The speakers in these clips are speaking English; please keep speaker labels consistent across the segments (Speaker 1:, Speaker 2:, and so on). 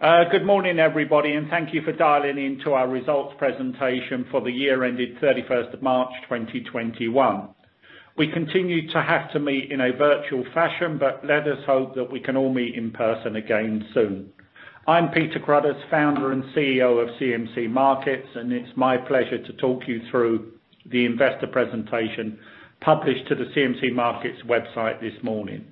Speaker 1: Good morning, everybody. Thank you for dialing in to our results presentation for the year ended 31st of March 2021. We continue to have to meet in a virtual fashion. Let us hope that we can all meet in person again soon. I'm Peter Cruddas, Founder and CEO of CMC Markets, and it's my pleasure to talk you through the investor presentation published to the CMC Markets website this morning.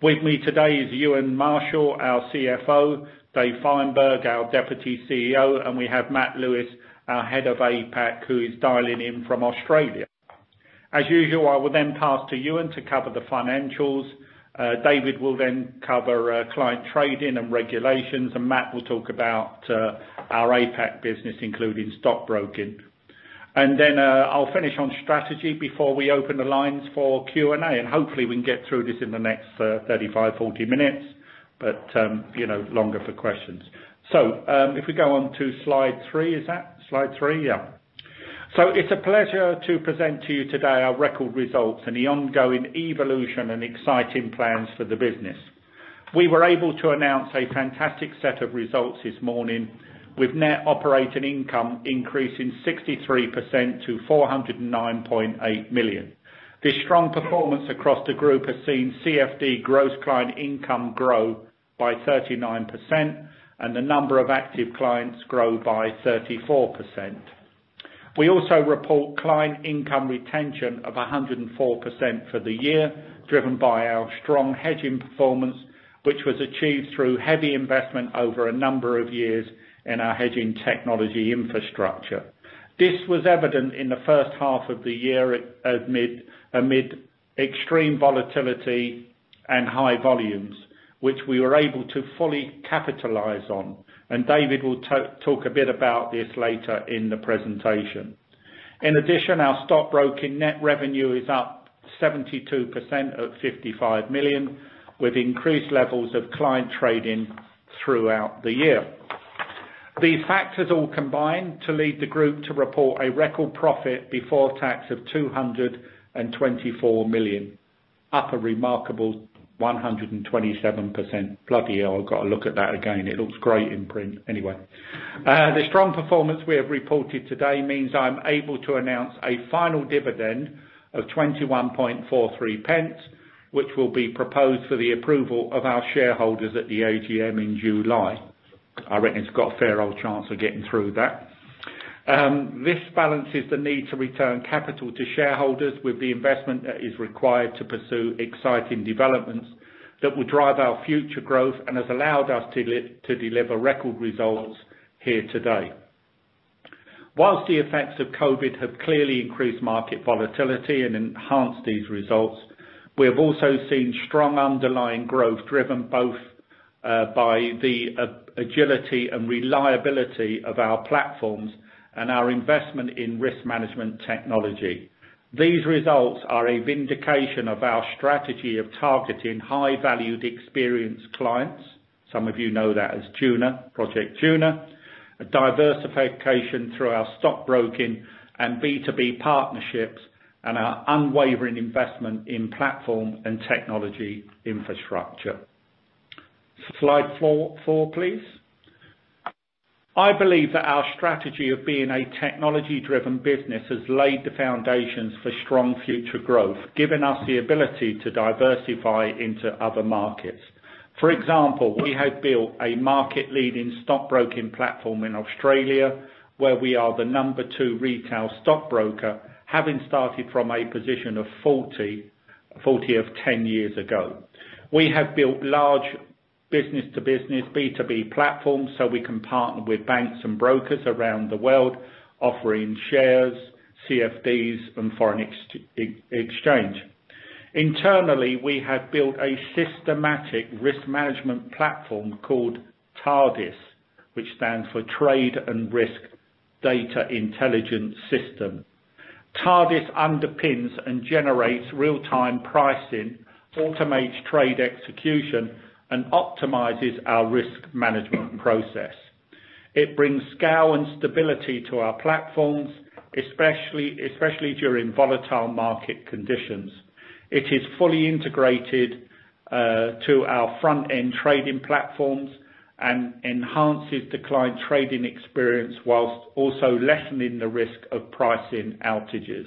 Speaker 1: With me today is Euan Marshall, our CFO, Dave Fineberg, our Deputy CEO, and we have Matt Lewis, our Head of APAC, who is dialing in from Australia. As usual, I will then pass to Euan to cover the financials. David will cover client trading and regulations, and Matt will talk about our APAC business, including stockbroking. Then I'll finish on strategy before we open the lines for Q&A, and hopefully we can get through this in the next 35, 40 minutes, but longer for questions. If we go on to slide three, is that slide three? It's a pleasure to present to you today our record results and the ongoing evolution and exciting plans for the business. We were able to announce a fantastic set of results this morning with net operating income increasing 63% to 409.8 million. This strong performance across the group has seen CFD gross client income grow by 39% and the number of active clients grow by 34%. We also report client income retention of 104% for the year, driven by our strong hedging performance, which was achieved through heavy investment over a number of years in our hedging technology infrastructure. This was evident in the first half of the year amid extreme volatility and high volumes, which we were able to fully capitalize on, and David will talk a bit about this later in the presentation. In addition, our stockbroking net revenue is up 72% at 55 million, with increased levels of client trading throughout the year. These factors all combined to lead the group to report a record profit before tax of 224 million, up a remarkable 127%. Bloody hell, I've got to look at that again. It looks great in print. Anyway. The strong performance we have reported today means I'm able to announce a final dividend of 0.2143, which will be proposed for the approval of our shareholders at the AGM in July. I reckon it's got a fair old chance of getting through that. This balances the need to return capital to shareholders with the investment that is required to pursue exciting developments that will drive our future growth and has allowed us to deliver record results here today. Whilst the effects of COVID have clearly increased market volatility and enhanced these results, we have also seen strong underlying growth driven both by the agility and reliability of our platforms and our investment in risk management technology. These results are a vindication of our strategy of targeting high-valued experienced clients. Some of you know that as Tuna, Project Tuna, a diversification through our stockbroking and B2B partnerships, and our unwavering investment in platform and technology infrastructure. Slide four, please. I believe that our strategy of being a technology-driven business has laid the foundations for strong future growth, giving us the ability to diversify into other markets. For example, we have built a market-leading stockbroking platform in Australia where we are the number two retail stockbroker, having started from a position of 40 of 10 years ago. We have built large business-to-business, B2B platforms so we can partner with banks and brokers around the world offering shares, CFDs, and foreign exchange. Internally, we have built a systematic risk management platform called TRDIS, which stands for Trade and Risk Data Intelligence System. TRDIS underpins and generates real-time pricing, automates trade execution, and optimizes our risk management process. It brings scale and stability to our platforms, especially during volatile market conditions. It is fully integrated to our front-end trading platforms and enhances the client trading experience while also lessening the risk of pricing outages.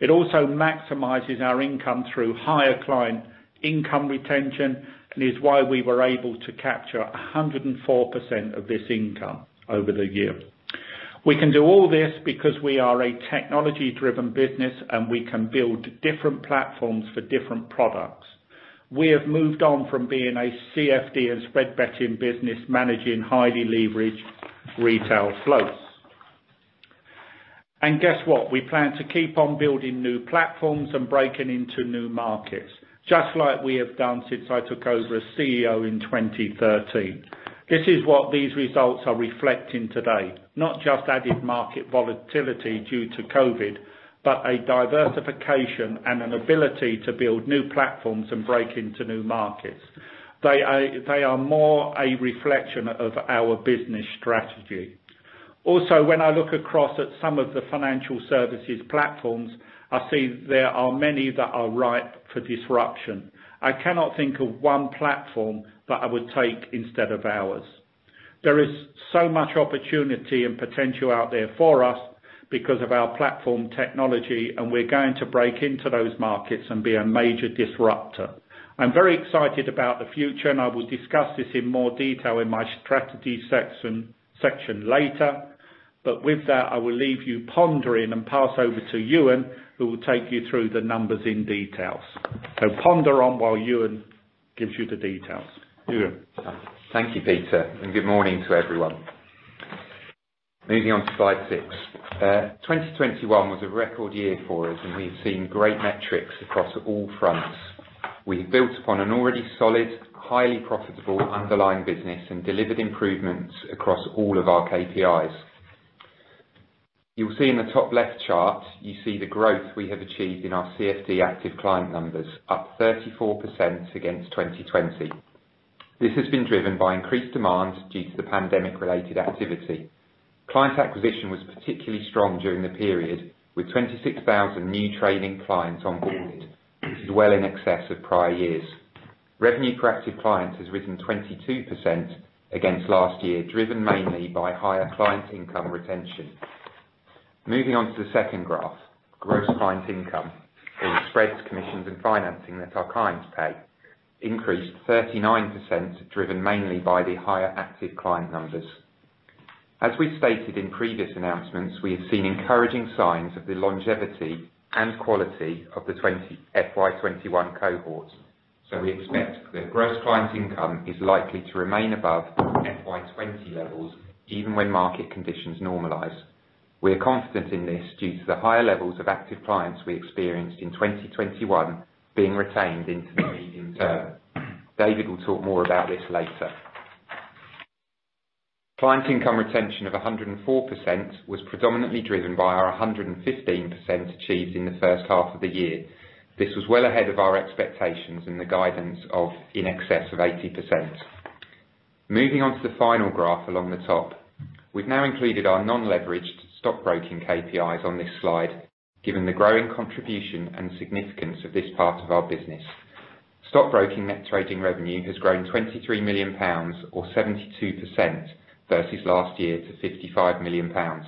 Speaker 1: It also maximizes our income through higher client income retention and is why we were able to capture 104% of this income over the year. We can do all this because we are a technology-driven business, and we can build different platforms for different products. We have moved on from being a CFD and spread betting business managing highly leveraged retail floats. Guess what? We plan to keep on building new platforms and breaking into new markets, just like we have done since I took over as CEO in 2013. This is what these results are reflecting today, not just added market volatility due to COVID, but a diversification and an ability to build new platforms and break into new markets. They are more a reflection of our business strategy. When I look across at some of the financial services platforms, I see there are many that are ripe for disruption. I cannot think of one platform that I would take instead of ours. There is so much opportunity and potential out there for us because of our platform technology, and we're going to break into those markets and be a major disruptor. I'm very excited about the future, and I will discuss this in more detail in my strategy section later. With that, I will leave you pondering and pass over to Euan, who will take you through the numbers in detail. Ponder on while Euan gives you the details. Euan.
Speaker 2: Thank you, Peter. Good morning to everyone. Moving on to slide six. 2021 was a record year for us, and we've seen great metrics across all fronts. We've built upon an already solid, highly profitable underlying business and delivered improvements across all of our KPIs. You'll see in the top left chart, you see the growth we have achieved in our CFD active client numbers, up 34% against 2020. This has been driven by increased demand due to the pandemic-related activity. Client acquisition was particularly strong during the period, with 26,000 new trading clients on board, which is well in excess of prior years. Revenue per active client has risen 22% against last year, driven mainly by higher client income retention. Moving on to the second graph. Gross clients income or spreads, commissions, and financing that our clients pay increased 39%, driven mainly by the higher active client numbers. As we stated in previous announcements, we have seen encouraging signs of the longevity and quality of the FY 2021 cohort, we expect that gross clients income is likely to remain above FY 2020 levels even when market conditions normalize. We are confident in this due to the high levels of active clients we experienced in 2021 being retained into the medium-term. David will talk more about this later. Client income retention of 104% was predominantly driven by our 115% achieved in the first half of the year. This was well ahead of our expectations and the guidance of in excess of 80%. Moving on to the final graph along the top. We've now included our non-leveraged stockbroking KPIs on this slide, given the growing contribution and significance of this part of our business. Stockbroking net trading revenue has grown 23 million pounds or 72% versus last year to 55 million pounds.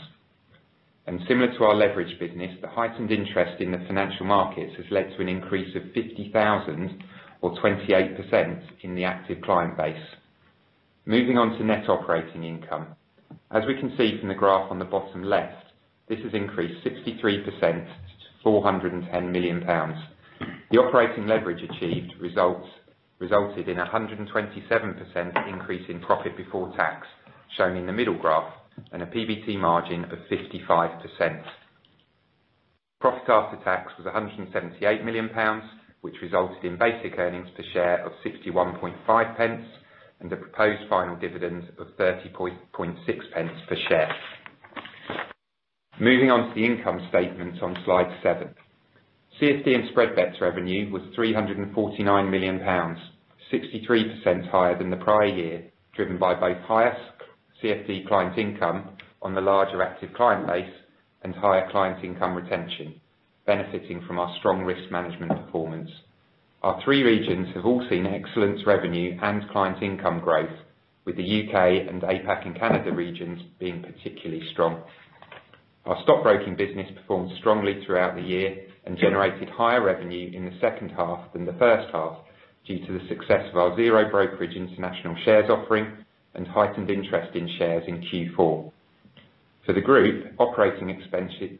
Speaker 2: Similar to our leveraged business, the heightened interest in the financial markets has led to an increase of 50,000 or 28% in the active client base. Moving on to net operating income. As we can see from the graph on the bottom left, this has increased 63% to 410 million pounds. The operating leverage achieved resulted in 127% increase in profit before tax, shown in the middle graph, and a PBT margin of 55%. Profit after tax was 178 million pounds, which resulted in basic earnings per share of 0.615 and a proposed final dividend of 0.306 per share. Moving on to the income statement on slide seven. CFD and spread bets revenue was 349 million pounds, 63% higher than the prior year, driven by both higher CFD client income on the larger active client base and higher client income retention, benefiting from our strong risk management performance. Our three regions have all seen excellent revenue and client income growth, with the U.K. and APAC and Canada regions being particularly strong. Our stockbroking business performed strongly throughout the year and generated higher revenue in the second half than the first half due to the success of our zero brokerage international shares offering and heightened interest in shares in Q4. For the group, operating expenses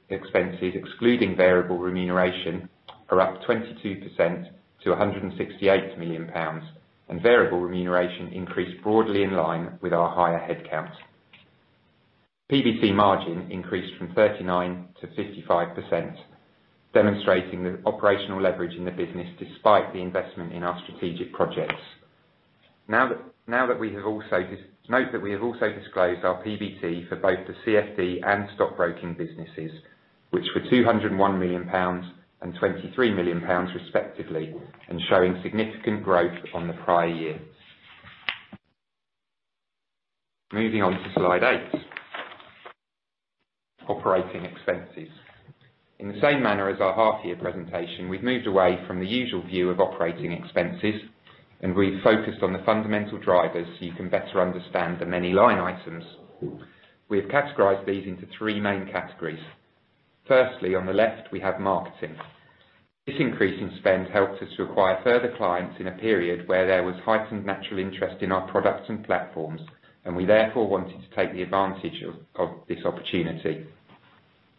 Speaker 2: excluding variable remuneration are up 22% to 168 million pounds, and variable remuneration increased broadly in line with our higher headcount. PBT margin increased from 39%-55%, demonstrating the operational leverage in the business despite the investment in our strategic projects. Note that we have also disclosed our PBT for both the CFD and stockbroking businesses, which were 201 million pounds and 23 million pounds respectively, and showing significant growth on the prior year. Moving on to slide eight, operating expenses. In the same manner as our half year presentation, we've moved away from the usual view of operating expenses, and we've focused on the fundamental drivers so you can better understand the many line items. We have categorized these into three main categories. Firstly, on the left, we have marketing. This increase in spend helped us acquire further clients in a period where there was heightened natural interest in our products and platforms, and we therefore wanted to take the advantage of this opportunity.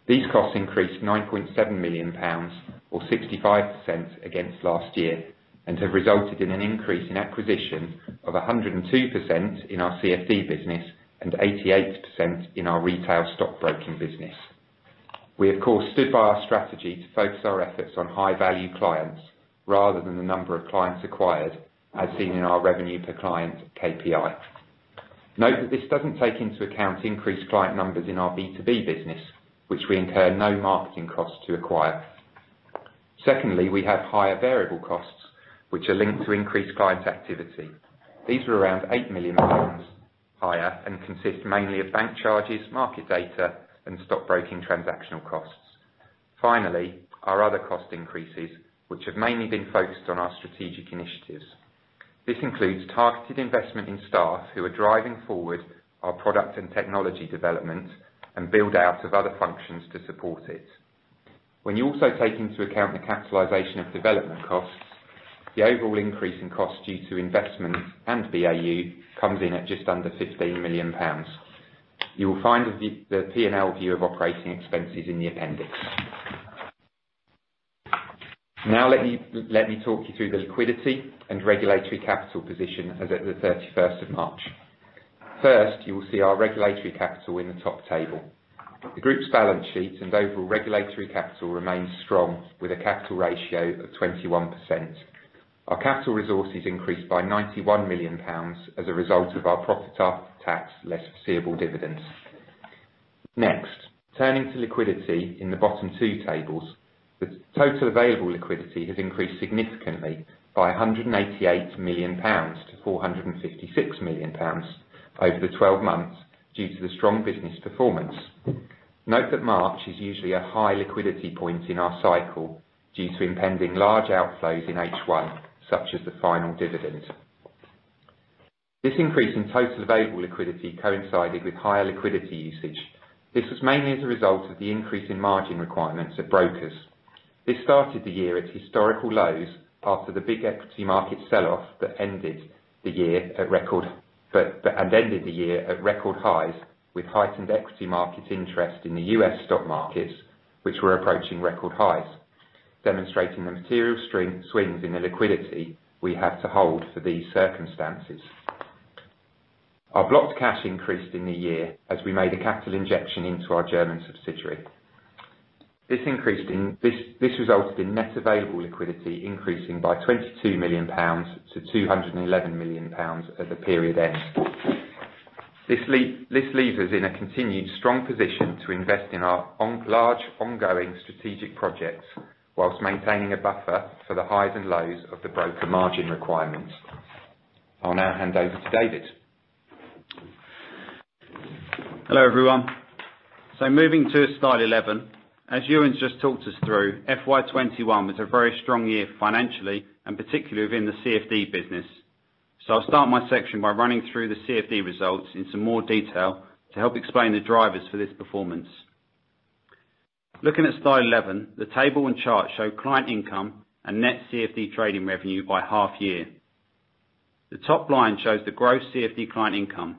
Speaker 2: These costs increased 9.7 million pounds or 65% against last year and have resulted in an increase in acquisition of 102% in our CFD business and 88% in our retail stockbroking business. We, of course, stood by our strategy to focus our efforts on high-value clients rather than the number of clients acquired, as seen in our revenue per client KPI. Note that this doesn't take into account increased client numbers in our B2B business, which we incur no marketing costs to acquire. Secondly, we have higher variable costs, which are linked to increased client activity. These are around 8 million pounds higher and consist mainly of bank charges, market data, and stockbroking transactional costs. Finally, our other cost increases, which have mainly been focused on our strategic initiatives. This includes targeted investment in staff who are driving forward our product and technology development and build-out of other functions to support it. When you also take into account the capitalization of development costs, the overall increase in costs due to investment and BAU comes in at just under 16 million pounds. You will find the P&L view of operating expenses in the appendix. Now let me talk you through the liquidity and regulatory capital position as at the 31st of March. First, you will see our regulatory capital in the top table. The group's balance sheet and overall regulatory capital remains strong, with a capital ratio of 21%. Our capital resources increased by 91 million pounds as a result of our profit after tax less foreseeable dividends. Next, turning to liquidity in the bottom two tables. The total available liquidity has increased significantly by 188 million pounds to 456 million pounds over the 12 months due to the strong business performance. Note that March is usually a high liquidity point in our cycle due to impending large outflows in H1, such as the final dividend. This increase in total available liquidity coincided with higher liquidity usage. This was mainly as a result of the increase in margin requirements at brokers. This started the year at historical lows after the big equity market sell-off and ended the year at record highs, with heightened equity market interest in the U.S. stock markets, which were approaching record highs, demonstrating the material swings in the liquidity we had to hold for these circumstances. Our blocked cash increased in the year as we made a capital injection into our German subsidiary. This resulted in net available liquidity increasing by 22 million pounds to 211 million pounds at the period end. This leaves us in a continued strong position to invest in our large ongoing strategic projects while maintaining a buffer for the highs and lows of the broker margin requirements. I'll now hand over to David.
Speaker 3: Hello, everyone. Moving to slide 11, as Euan's just talked us through, FY 2021 was a very strong year financially and particularly within the CFD business. I'll start my section by running through the CFD results in some more detail to help explain the drivers for this performance. Looking at slide 11, the table and chart show client income and net CFD trading revenue by half year. The top line shows the gross CFD client income.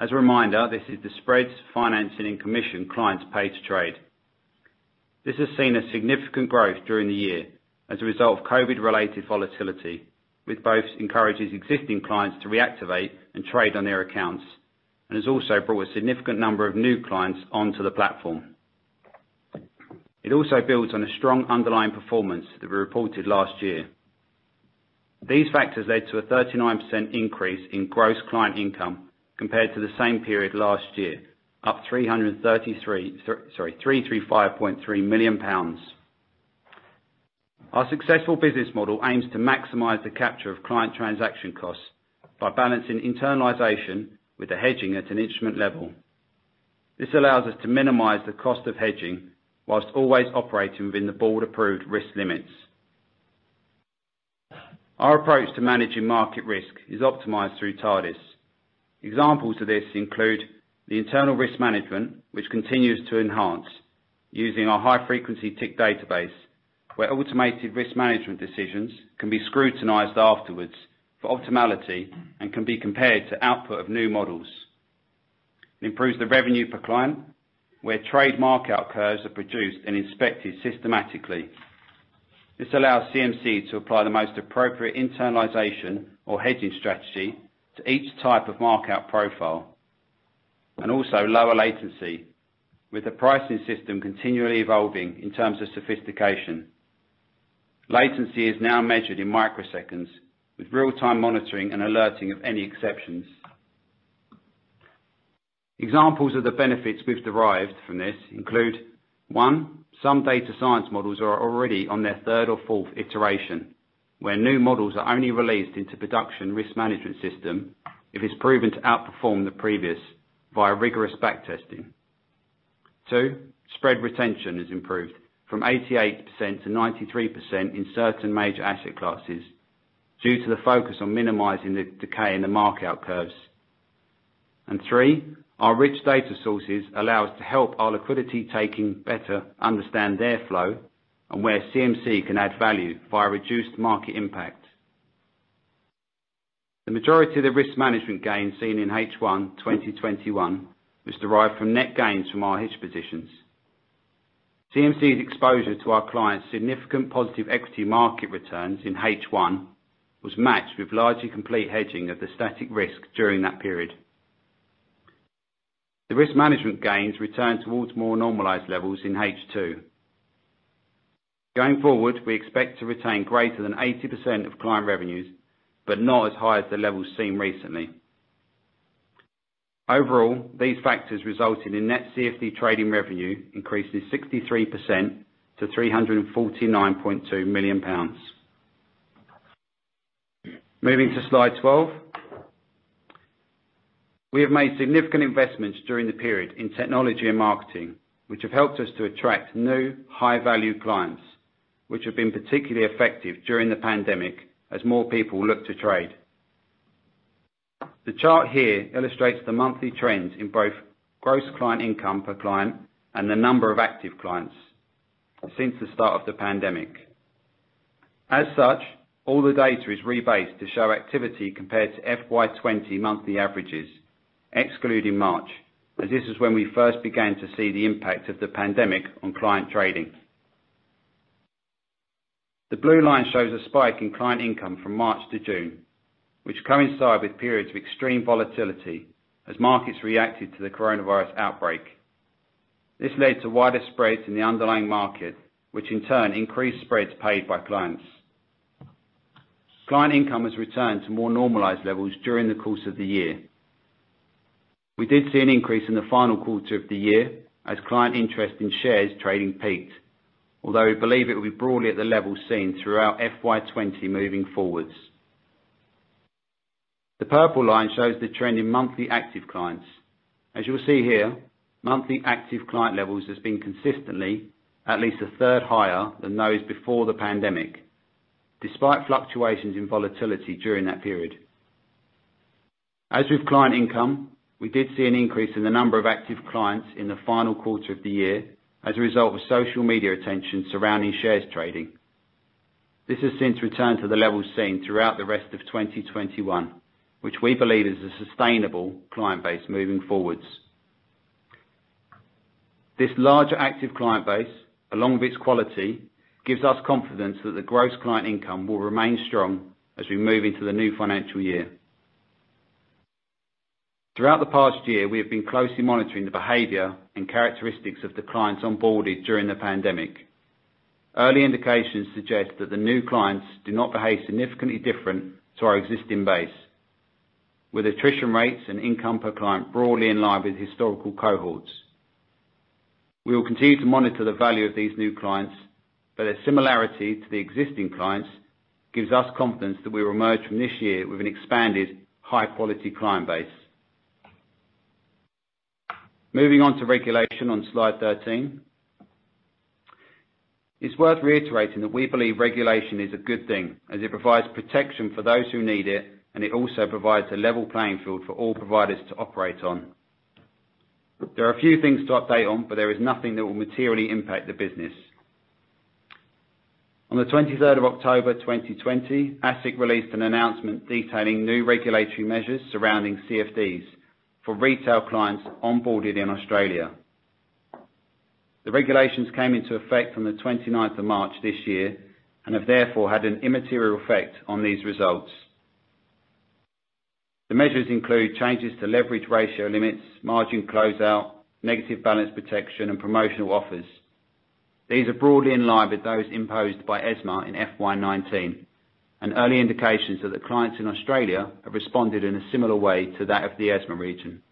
Speaker 3: As a reminder, this is the spreads, financing, and commission clients pay to trade. This has seen a significant growth during the year as a result of COVID-related volatility. Which both encourages existing clients to reactivate and trade on their accounts, and has also brought a significant number of new clients onto the platform. It also builds on a strong underlying performance that we reported last year. These factors led to a 39% increase in gross client income compared to the same period last year, up 335.3 million pounds. Our successful business model aims to maximize the capture of client transaction costs by balancing internalization with the hedging at an instrument level. This allows us to minimize the cost of hedging while always operating within the board-approved risk limits. Our approach to managing market risk is optimized through TRDIS. Examples of this include the internal risk management, which continues to enhance using our high-frequency tick database, where automated risk management decisions can be scrutinized afterward for optimality and can be compared to output of new models. It improves the revenue per client, where trade mark-out curves are produced and inspected systematically. This allows CMC to apply the most appropriate internalization or hedging strategy to each type of mark-out profile, and also lower latency, with the pricing system continually evolving in terms of sophistication. Latency is now measured in microseconds, with real-time monitoring and alerting of any exceptions. Examples of the benefits we've derived from this include, one, some data science models are already on their third or fourth iteration, where new models are only released into production risk management system if it's proven to outperform the previous via rigorous backtesting. Two, spread retention has improved from 88% to 93% in certain major asset classes due to the focus on minimizing the decay in the mark-out curves. Three, our rich data sources allow us to help our liquidity taking better understand their flow and where CMC can add value via reduced market impact. The majority of the risk management gains seen in H1 2021 was derived from net gains from our hedge positions. CMC's exposure to our clients' significant positive equity market returns in H1 was matched with largely complete hedging of the static risk during that period. The risk management gains returned towards more normalized levels in H2. Going forward, we expect to retain greater than 80% of client revenues, but not as high as the levels seen recently. Overall, these factors resulted in net CFD trading revenue increasing 63% to 349.2 million pounds. Moving to slide 12. We have made significant investments during the period in technology and marketing, which have helped us to attract new high-value clients, which have been particularly effective during the pandemic as more people look to trade. The chart here illustrates the monthly trends in both gross client income per client and the number of active clients since the start of the pandemic. As such, all the data is rebased to show activity compared to FY 2020 monthly averages, excluding March, as this is when we first began to see the impact of the pandemic on client trading. The blue line shows a spike in client income from March to June, which coincided with periods of extreme volatility as markets reacted to the Coronavirus outbreak. This led to wider spreads in the underlying market, which in turn increased spreads paid by clients. Client income has returned to more normalized levels during the course of the year. We did see an increase in the final quarter of the year as client interest in shares trading peaked, although we believe it will be broadly at the level seen throughout FY 2020 moving forwards. The purple line shows the trend in monthly active clients. As you'll see here, monthly active client levels has been consistently at least a third higher than those before the pandemic, despite fluctuations in volatility during that period. As with client income, we did see an increase in the number of active clients in the final quarter of the year as a result of social media attention surrounding shares trading. This has since returned to the levels seen throughout the rest of 2021, which we believe is a sustainable client base moving forwards. This larger active client base, along with its quality, gives us confidence that the gross client income will remain strong as we move into the new financial year. Throughout the past year, we have been closely monitoring the behavior and characteristics of the clients onboarded during the pandemic. Early indications suggest that the new clients do not behave significantly different to our existing base, with attrition rates and income per client broadly in line with historical cohorts. We will continue to monitor the value of these new clients, but a similarity to the existing clients gives us confidence that we will emerge from this year with an expanded high-quality client base. Moving on to regulation on slide 13. It's worth reiterating that we believe regulation is a good thing as it provides protection for those who need it, and it also provides a level playing field for all providers to operate on. There are a few things to update on, but there is nothing that will materially impact the business. On the 23rd of October 2020, ASIC released an announcement detailing new regulatory measures surrounding CFDs for retail clients onboarded in Australia. The regulations came into effect from the 29th of March this year and have therefore had an immaterial effect on these results. The measures include changes to leverage ratio limits, margin closeout, negative balance protection, and promotional offers. These are broadly in line with those imposed by ESMA in FY 2019, and early indications are that clients in Australia have responded in a similar way to that of the ESMA region.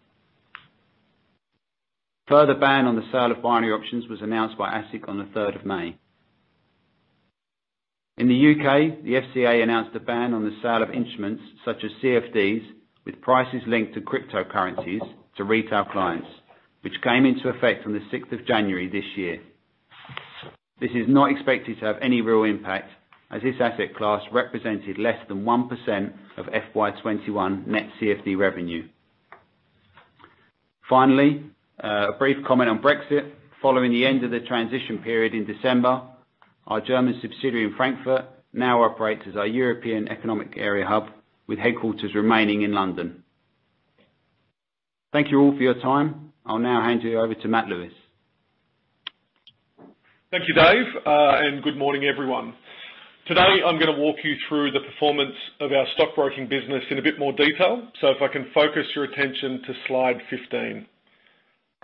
Speaker 3: A further ban on the sale of binary options was announced by ASIC on the 3rd of May. In the U.K., the FCA announced a ban on the sale of instruments such as CFDs, with prices linked to cryptocurrencies to retail clients, which came into effect on the 6th of January this year. This is not expected to have any real impact as this asset class represented less than 1% of FY 2021 net CFD revenue. Finally, a brief comment on Brexit. Following the end of the transition period in December, our German subsidiary in Frankfurt now operates as our European Economic Area hub, with headquarters remaining in London. Thank you all for your time. I'll now hand you over to Matt Lewis.
Speaker 4: Thank you, Dave, good morning, everyone. Today, I'm going to walk you through the performance of our stockbroking business in a bit more detail. If I can focus your attention to slide 15.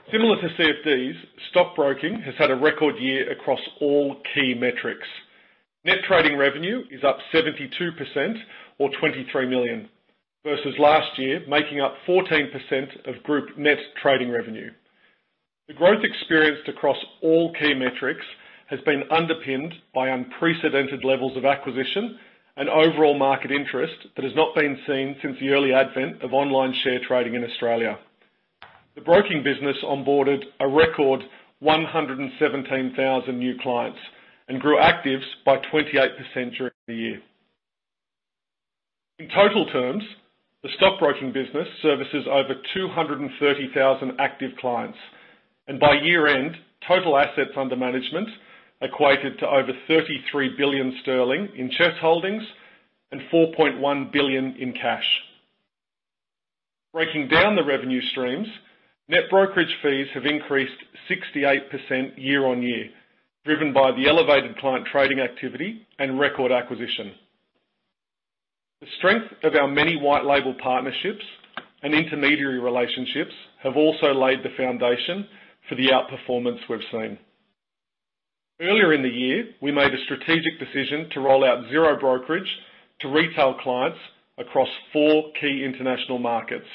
Speaker 4: Similar to CFDs, stockbroking has had a record year across all key metrics. Net trading revenue is up 72% or 23 million versus last year, making up 14% of group net trading revenue. The growth experienced across all key metrics has been underpinned by unprecedented levels of acquisition and overall market interest that has not been seen since the early advent of online share trading in Australia. The broking business onboarded a record 117,000 new clients and grew actives by 28% during the year. In total terms, the stockbroking business services over 230,000 active clients, and by year-end, total assets under management equated to over 33 billion sterling in share holdings and 4.1 billion in cash. Breaking down the revenue streams, net brokerage fees have increased 68% year-on-year, driven by the elevated client trading activity and record acquisition. The strength of our many white-label partnerships and intermediary relationships have also laid the foundation for the outperformance we've seen. Earlier in the year, we made a strategic decision to roll out zero brokerage to retail clients across four key international markets,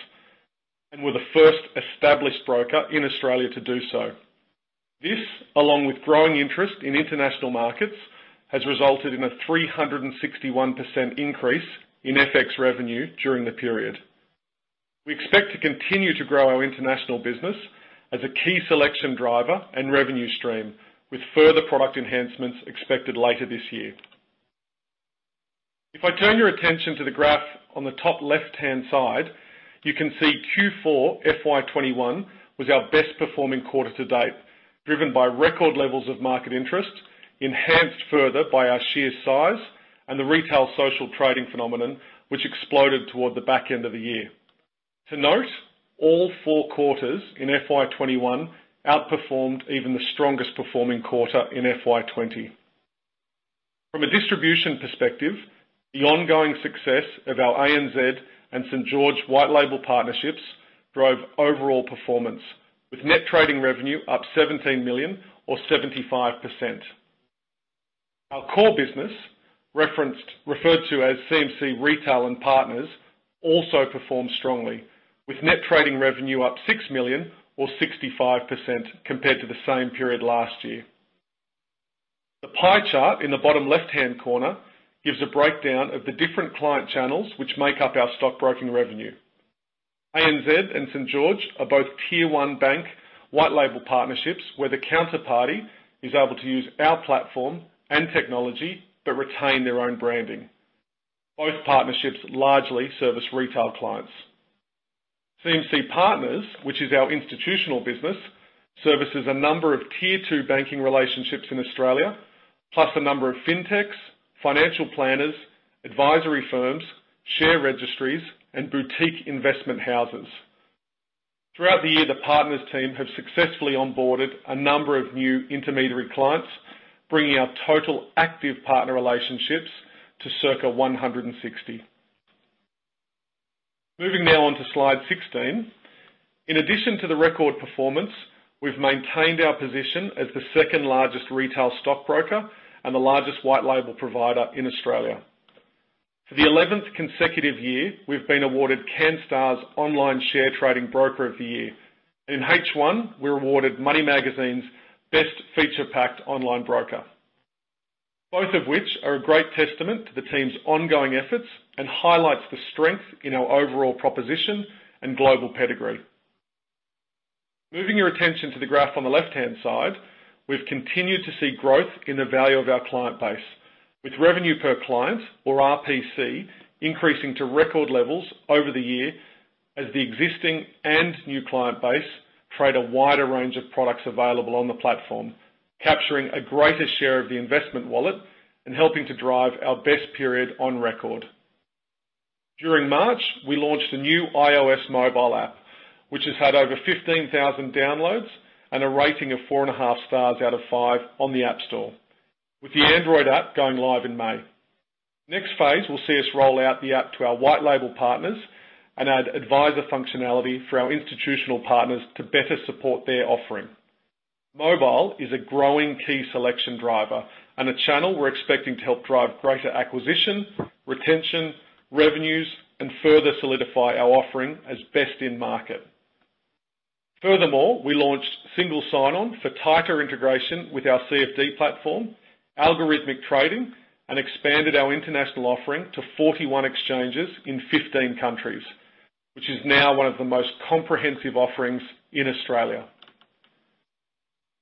Speaker 4: and were the first established broker in Australia to do so. This, along with growing interest in international markets, has resulted in a 361% increase in FX revenue during the period. We expect to continue to grow our international business as a key selection driver and revenue stream, with further product enhancements expected later this year. If I turn your attention to the graph on the top left-hand side, you can see Q4 FY 2021 was our best-performing quarter to date, driven by record levels of market interest, enhanced further by our sheer size and the retail social trading phenomenon, which exploded toward the back end of the year. To note, all four quarters in FY 2021 outperformed even the strongest performing quarter in FY 2020. From a distribution perspective, the ongoing success of our ANZ and St. George white label partnerships drove overall performance, with net trading revenue up 17 million or 75%. Our core business, referred to as CMC Retail and Partners, also performed strongly, with net trading revenue up 6 million or 65% compared to the same period last year. The pie chart in the bottom left-hand corner gives a breakdown of the different client channels which make up our stockbroking revenue. ANZ and St. George are both Tier 1 bank white label partnerships, where the counterparty is able to use our platform and technology but retain their own branding. Both partnerships largely service retail clients. CMC Partners, which is our institutional business, services a number of Tier 2 banking relationships in Australia, plus a number of fintechs, financial planners, advisory firms, share registries, and boutique investment houses. Throughout the year, the partners team have successfully onboarded a number of new intermediary clients, bringing our total active partner relationships to circa 160. Moving now on to slide 16. In addition to the record performance, we've maintained our position as the second-largest retail stock broker and the largest white label provider in Australia. For the 11th consecutive year, we've been awarded Canstar's Online Share Trading Broker of the Year. In H1, we were awarded Money magazine's best feature-packed online broker, both of which are a great testament to the team's ongoing efforts and highlights the strength in our overall proposition and global pedigree. Moving your attention to the graph on the left-hand side, we've continued to see growth in the value of our client base, with revenue per client or RPC increasing to record levels over the year as the existing and new client base trade a wider range of products available on the platform, capturing a greater share of the investment wallet and helping to drive our best period on record. During March, we launched the new iOS mobile app, which has had over 15,000 downloads and a rating of 4.5 stars out of 5 on the App Store, with the Android app going live in May. Next phase, we'll see us roll out the app to our white label partners and add advisor functionality for our institutional partners to better support their offering. Mobile is a growing key selection driver and a channel we're expecting to help drive greater acquisition, retention, revenues, and further solidify our offering as best in market. Furthermore, we launched single sign-on for tighter integration with our CFD platform, algorithmic trading, and expanded our international offering to 41 exchanges in 15 countries, which is now one of the most comprehensive offerings in Australia.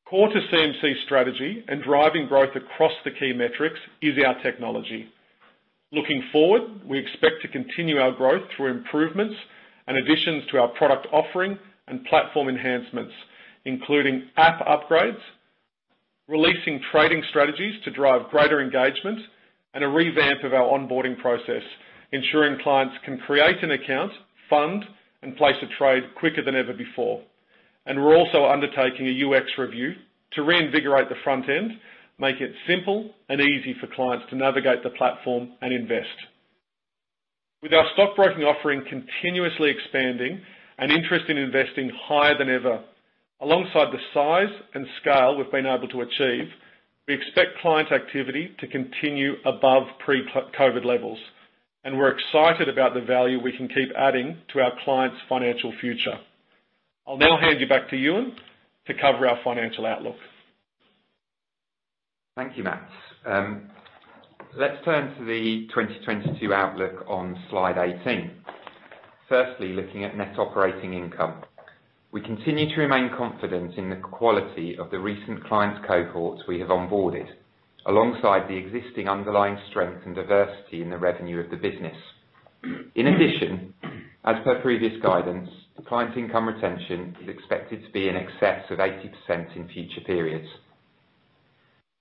Speaker 4: Core to CMC strategy and driving growth across the key metrics is our technology. Looking forward, we expect to continue our growth through improvements and additions to our product offering and platform enhancements, including app upgrades, releasing trading strategies to drive greater engagement, and a revamp of our onboarding process, ensuring clients can create an account, fund, and place a trade quicker than ever before. We're also undertaking a UX review to reinvigorate the front end, make it simple and easy for clients to navigate the platform and invest. With our stockbroking offering continuously expanding and interest in investing higher than ever, alongside the size and scale we've been able to achieve, we expect client activity to continue above pre-COVID levels, and we're excited about the value we can keep adding to our clients' financial future. I'll now hand you back to Euan to cover our financial outlook.
Speaker 2: Thank you, Matt. Let's turn to the 2022 outlook on slide 18. Firstly, looking at net operating income. We continue to remain confident in the quality of the recent clients cohorts we have onboarded, alongside the existing underlying strength and diversity in the revenue of the business. In addition, as per previous guidance, the client income retention is expected to be in excess of 80% in future periods.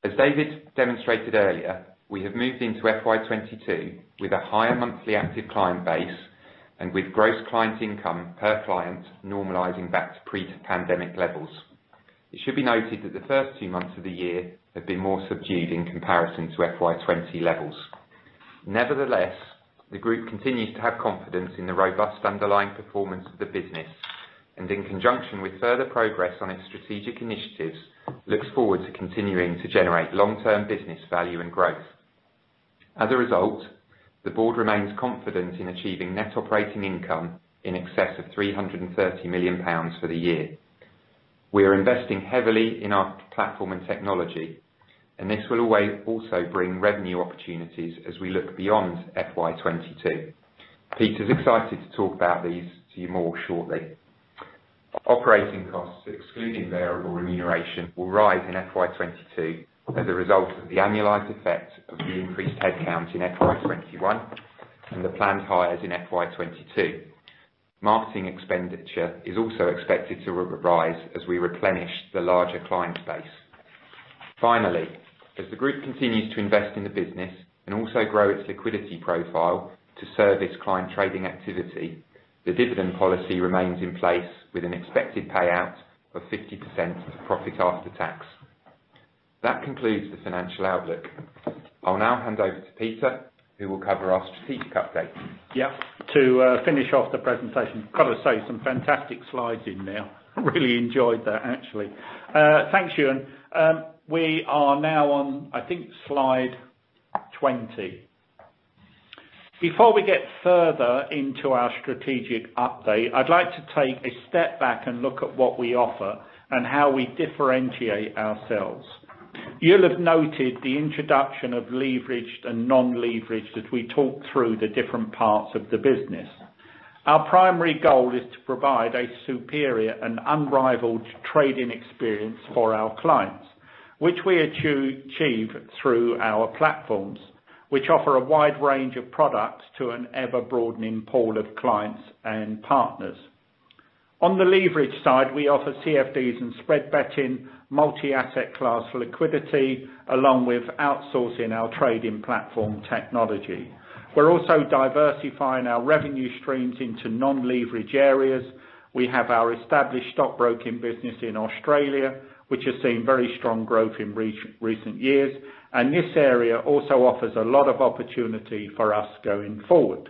Speaker 2: As David demonstrated earlier, we have moved into FY 2022 with a higher monthly active client base and with gross client income per client normalizing back to pre-pandemic levels. It should be noted that the first two months of the year have been more subdued in comparison to FY 2020 levels. Nevertheless, the group continues to have confidence in the robust underlying performance of the business and in conjunction with further progress on its strategic initiatives, looks forward to continuing to generate long-term business value and growth. As a result, the board remains confident in achieving net operating income in excess of 330 million pounds for the year. We are investing heavily in our platform and technology, and this will also bring revenue opportunities as we look beyond FY 2022. Peter's excited to talk about these to you more shortly. Operating costs, excluding variable remuneration, will rise in FY 2022 as a result of the annualized effect of the increased headcount in FY 2021 and the planned hires in FY 2022. Marketing expenditure is also expected to rise as we replenish the larger client base. Finally, as the group continues to invest in the business and also grow its liquidity profile to service client trading activity, the dividend policy remains in place with an expected payout of 50% of profit after tax. That concludes the financial outlook. I'll now hand over to Peter, who will cover our strategic update.
Speaker 1: Yep. To finish off the presentation, got to say, some fantastic slides in there. Really enjoyed that, actually. Thanks, Euan. We are now on, I think, slide 20. Before we get further into our strategic update, I'd like to take a step back and look at what we offer and how we differentiate ourselves. You'll have noted the introduction of leveraged and non-leveraged as we talk through the different parts of the business. Our primary goal is to provide a superior and unrivaled trading experience for our clients, which we achieve through our platforms, which offer a wide range of products to an ever-broadening pool of clients and partners. On the leveraged side, we offer CFDs and spread betting, multi-asset class liquidity, along with outsourcing our trading platform technology. We're also diversifying our revenue streams into non-leveraged areas. We have our established stockbroking business in Australia, which has seen very strong growth in recent years. This area also offers a lot of opportunity for us going forward.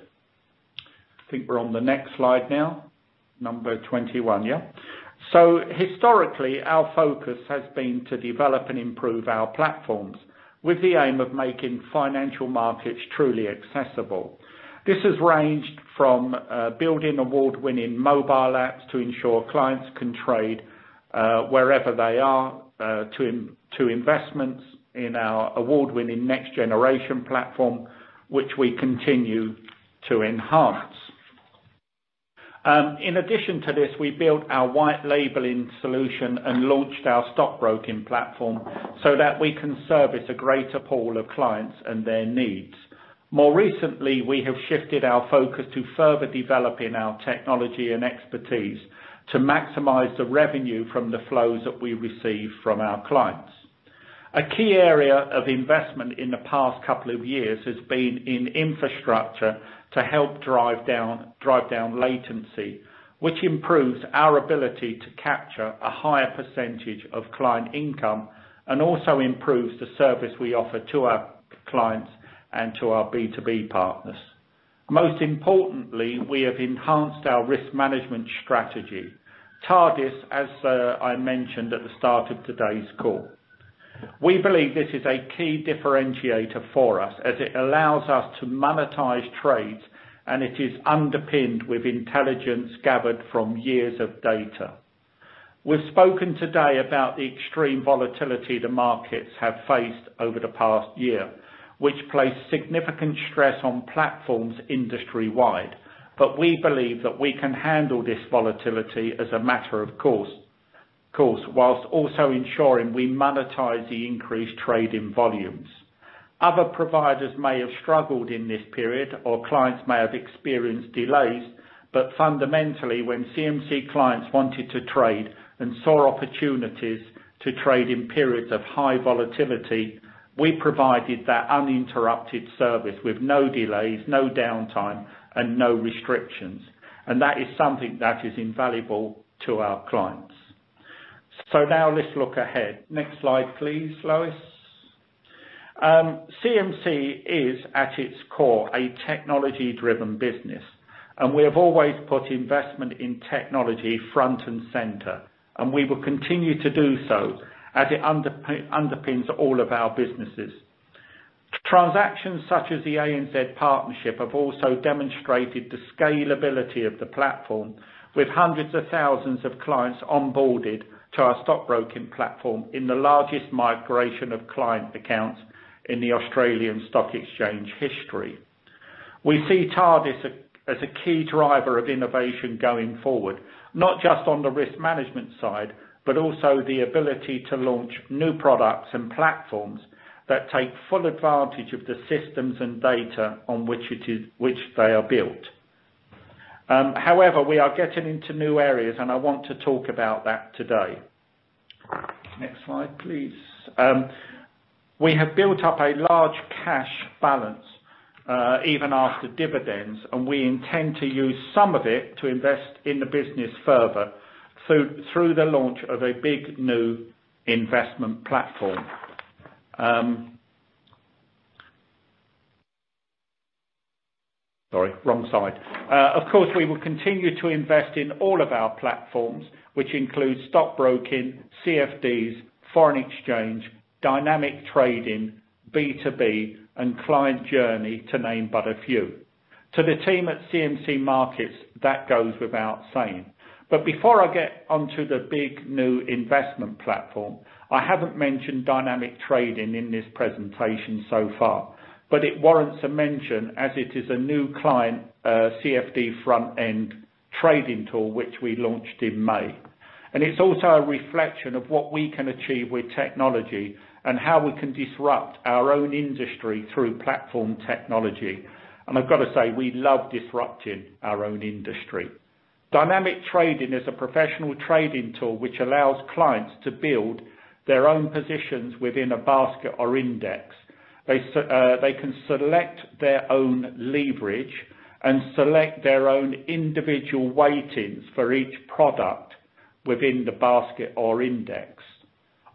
Speaker 1: I think we're on the next slide now. Number 21, yeah. Historically, our focus has been to develop and improve our platforms with the aim of making financial markets truly accessible. This has ranged from building award-winning mobile apps to ensure clients can trade wherever they are, to investments in our award-winning Next Generation platform, which we continue to enhance. In addition to this, we built our white labeling solution and launched our stockbroking platform so that we can service a greater pool of clients and their needs. More recently, we have shifted our focus to further developing our technology and expertise to maximize the revenue from the flows that we receive from our clients. A key area of investment in the past couple of years has been in infrastructure to help drive down latency, which improves our ability to capture a higher percentage of client income and also improves the service we offer to our clients and to our B2B partners. Most importantly, we have enhanced our risk management strategy, TRDIS, as I mentioned at the start of today's call. We believe this is a key differentiator for us as it allows us to monetize trades, and it is underpinned with intelligence gathered from years of data. We've spoken today about the extreme volatility the markets have faced over the past year, which placed significant stress on platforms industry-wide. But we believe that we can handle this volatility as a matter of course, whilst also ensuring we monetize the increased trading volumes. Other providers may have struggled in this period, or clients may have experienced delays. Fundamentally, when CMC clients wanted to trade and saw opportunities to trade in periods of high volatility, we provided that uninterrupted service with no delays, no downtime, and no restrictions. That is something that is invaluable to our clients. Now let's look ahead. Next slide, please, Lois. CMC is at its core, a technology-driven business. We have always put investment in technology front and center. We will continue to do so as it underpins all of our businesses. Transactions such as the ANZ partnership have also demonstrated the scalability of the platform with hundreds of thousands of clients onboarded to our stockbroking platform in the largest migration of client accounts in the Australian Stock Exchange history. We see Targis as a key driver of innovation going forward, not just on the risk management side, but also the ability to launch new products and platforms that take full advantage of the systems and data on which they are built. We are getting into new areas, and I want to talk about that today. Next slide, please. We have built up a large cash balance, even after dividends, and we intend to use some of it to invest in the business further. Through the launch of a big new investment platform. Sorry, wrong slide. Of course, we will continue to invest in all of our platforms, which includes stockbroking, CFDs, foreign exchange, Dynamic Trading, B2B, and client journey, to name but a few. To the team at CMC Markets, that goes without saying. Before I get onto the big new investment platform, I haven't mentioned Dynamic Trading in this presentation so far, but it warrants a mention as it is a new client, CFD front-end trading tool, which we launched in May. It's also a reflection of what we can achieve with technology and how we can disrupt our own industry through platform technology. I've got to say, we love disrupting our own industry. Dynamic Trading is a professional trading tool which allows clients to build their own positions within a basket or index. They can select their own leverage and select their own individual weightings for each product within the basket or index.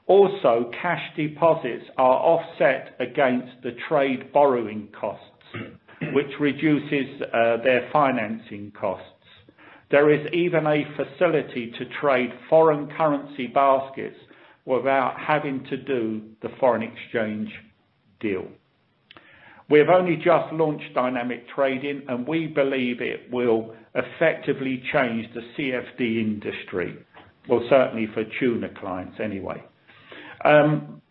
Speaker 1: Also, cash deposits are offset against the trade borrowing costs, which reduces their financing costs. There is even a facility to trade foreign currency baskets without having to do the foreign exchange deal. We have only just launched Dynamic Trading, and we believe it will effectively change the CFD industry, well, certainly for tuna clients anyway.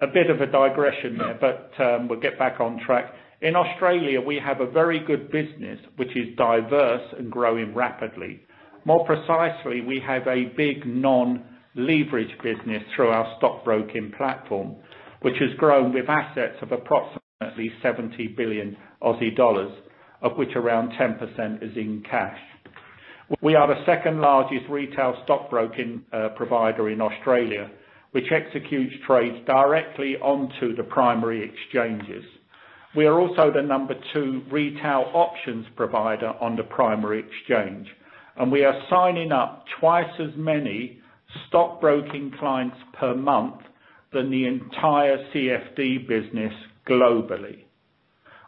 Speaker 1: A bit of a digression there, but we'll get back on track. In Australia, we have a very good business, which is diverse and growing rapidly. More precisely, we have a big non-leverage business through our stockbroking platform, which has grown with assets of approximately 70 billion Aussie dollars, of which around 10% is in cash. We are the second-largest retail stockbroking provider in Australia, which executes trades directly onto the primary exchanges. We are also the number two retail options provider on the primary exchange, and we are signing up twice as many stockbroking clients per month than the entire CFD business globally.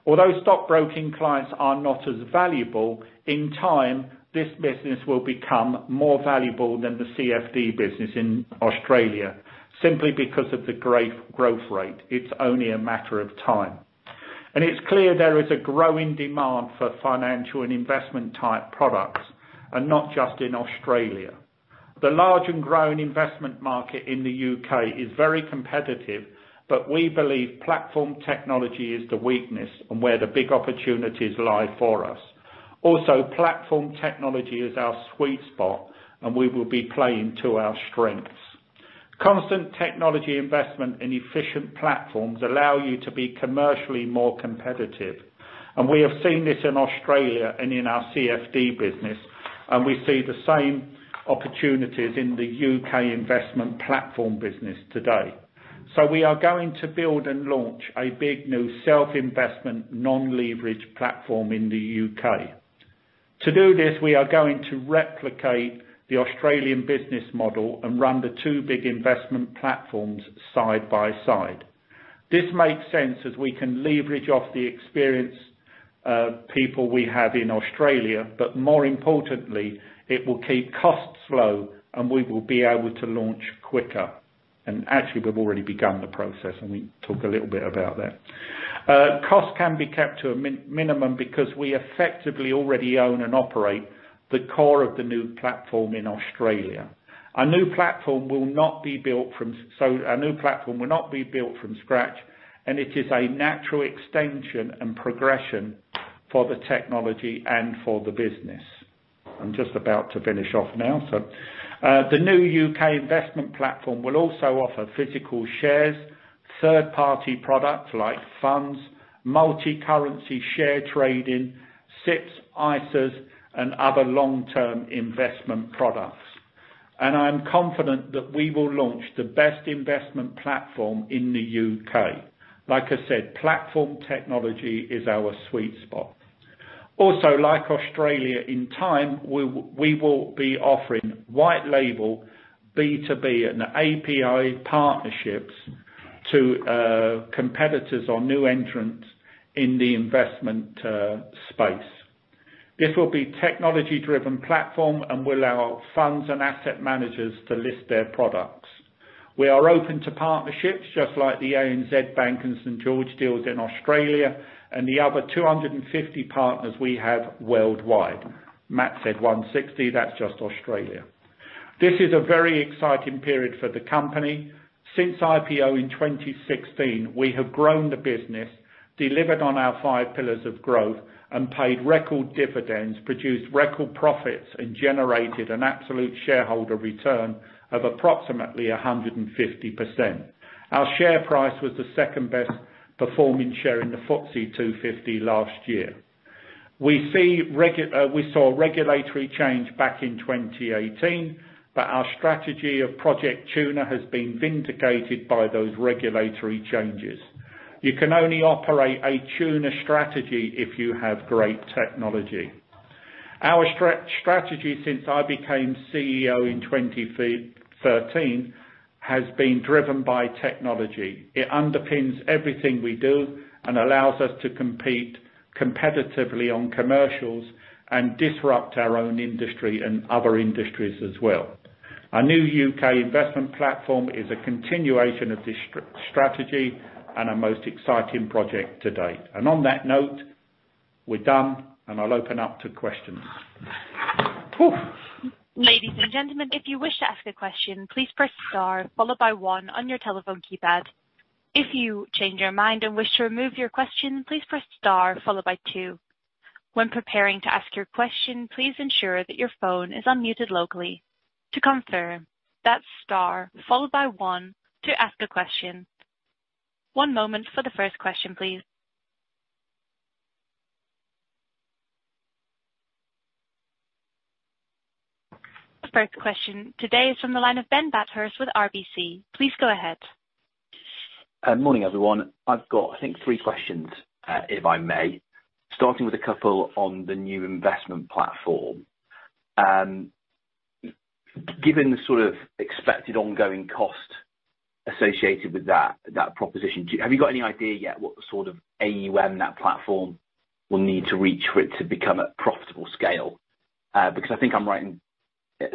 Speaker 1: Although stockbroking clients are not as valuable, in time, this business will become more valuable than the CFD business in Australia, simply because of the great growth rate. It's only a matter of time. It's clear there is a growing demand for financial and investment-type products, and not just in Australia. The large and growing investment market in the U.K. is very competitive, but we believe platform technology is the weakness and where the big opportunities lie for us. Also, platform technology is our sweet spot, and we will be playing to our strengths. Constant technology investment in efficient platforms allow you to be commercially more competitive. We have seen this in Australia and in our CFD business, and we see the same opportunities in the U.K. investment platform business today. We are going to build and launch a big, new self-investment, non-leverage platform in the U.K. To do this, we are going to replicate the Australian business model and run the two big investment platforms side by side. This makes sense as we can leverage off the experienced people we have in Australia, but more importantly, it will keep costs low, we will be able to launch quicker. Actually, we've already begun the process, and we talk a little bit about that. Cost can be kept to a minimum because we effectively already own and operate the core of the new platform in Australia. Our new platform will not be built from scratch, and it is a natural extension and progression for the technology and for the business. I'm just about to finish off now. The new U.K. investment platform will also offer physical shares, third-party products like funds, multi-currency share trading, SIPPs, ISAs, and other long-term investment products. I am confident that we will launch the best investment platform in the U.K. Like I said, platform technology is our sweet spot. Like Australia, in time, we will be offering white label, B2B, and API partnerships to competitors or new entrants in the investment space. This will be technology-driven platform and will allow funds and asset managers to list their products. We are open to partnerships, just like the ANZ Bank and St. George deals in Australia and the other 250 partners we have worldwide. Matt said 160. That's just Australia. This is a very exciting period for the company. Since IPO in 2016, we have grown the business, delivered on our five pillars of growth, paid record dividends, produced record profits, and generated an absolute shareholder return of approximately 150%. Our share price was the second best-performing share in the FTSE 250 last year. We saw a regulatory change back in 2018. Our strategy of Project Tuna has been vindicated by those regulatory changes. You can only operate a Tuna strategy if you have great technology. Our strategy since I became CEO in 2013 has been driven by technology. It underpins everything we do and allows us to compete competitively on commercials and disrupt our own industry and other industries as well. Our new U.K. investment platform is a continuation of this strategy and our most exciting project to date. On that note, we're done, and I'll open up to questions.
Speaker 5: Ladies and gentlemen, if you wish to ask a question, please press star followed by one on your telephone keypad. If you change your mind and wish to remove your question, please press star followed by two. When preparing to ask your question, please ensure that your phone is unmuted locally to confirm that's star followed by one to ask a question. One moment for the first question, please. The first question today is from the line of Ben Bathurst with RBC. Please go ahead.
Speaker 6: Morning, everyone. I've got, I think, three questions, if I may. Starting with a couple on the new investment platform. Given the sort of expected ongoing cost associated with that proposition, have you got any idea yet what sort of AUM that platform will need to reach for it to become a profitable scale? I think I'm right in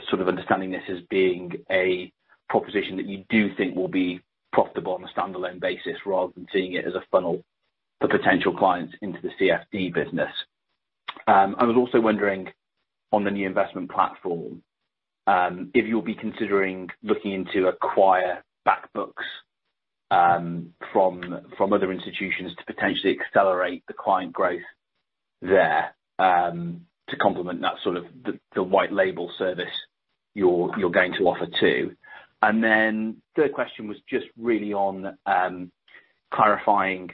Speaker 6: sort of understanding this as being a proposition that you do think will be profitable on a standalone basis rather than seeing it as a funnel for potential clients into the CFD business. I was also wondering on the new investment platform, if you'll be considering looking to acquire back books from other institutions to potentially accelerate the client growth there, to complement the white label service you're going to offer too. Third question was just really on clarifying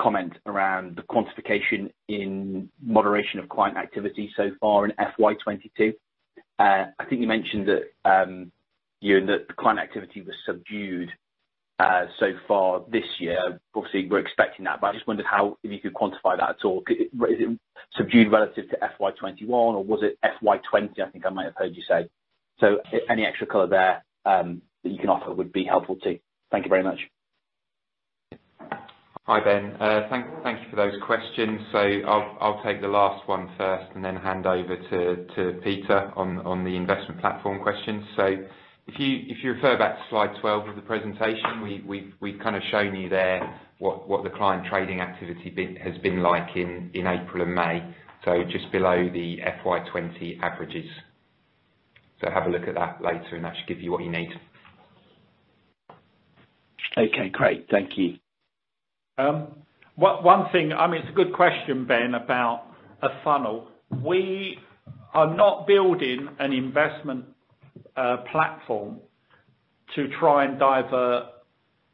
Speaker 6: comment around the quantification in moderation of client activity so far in FY 2022. I think you mentioned that the client activity was subdued so far this year. Obviously, we're expecting that, but I just wondered how you could quantify that, or subdued relative to FY 2021 or was it FY 2020 I think I might have heard you say? Any extra color there that you can offer would be helpful too. Thank you very much.
Speaker 2: Hi, Ben. Thank you for those questions. I'll take the last one first and then hand over to Peter on the investment platform question. If you refer back to slide 12 of the presentation, we've kind of shown you there what the client trading activity has been like in April and May. Just below the FY 2020 averages. Have a look at that later, and that should give you what you need.
Speaker 6: Okay, great. Thank you.
Speaker 1: One thing, it's a good question, Ben, about a funnel. We are not building an investment platform to try and divert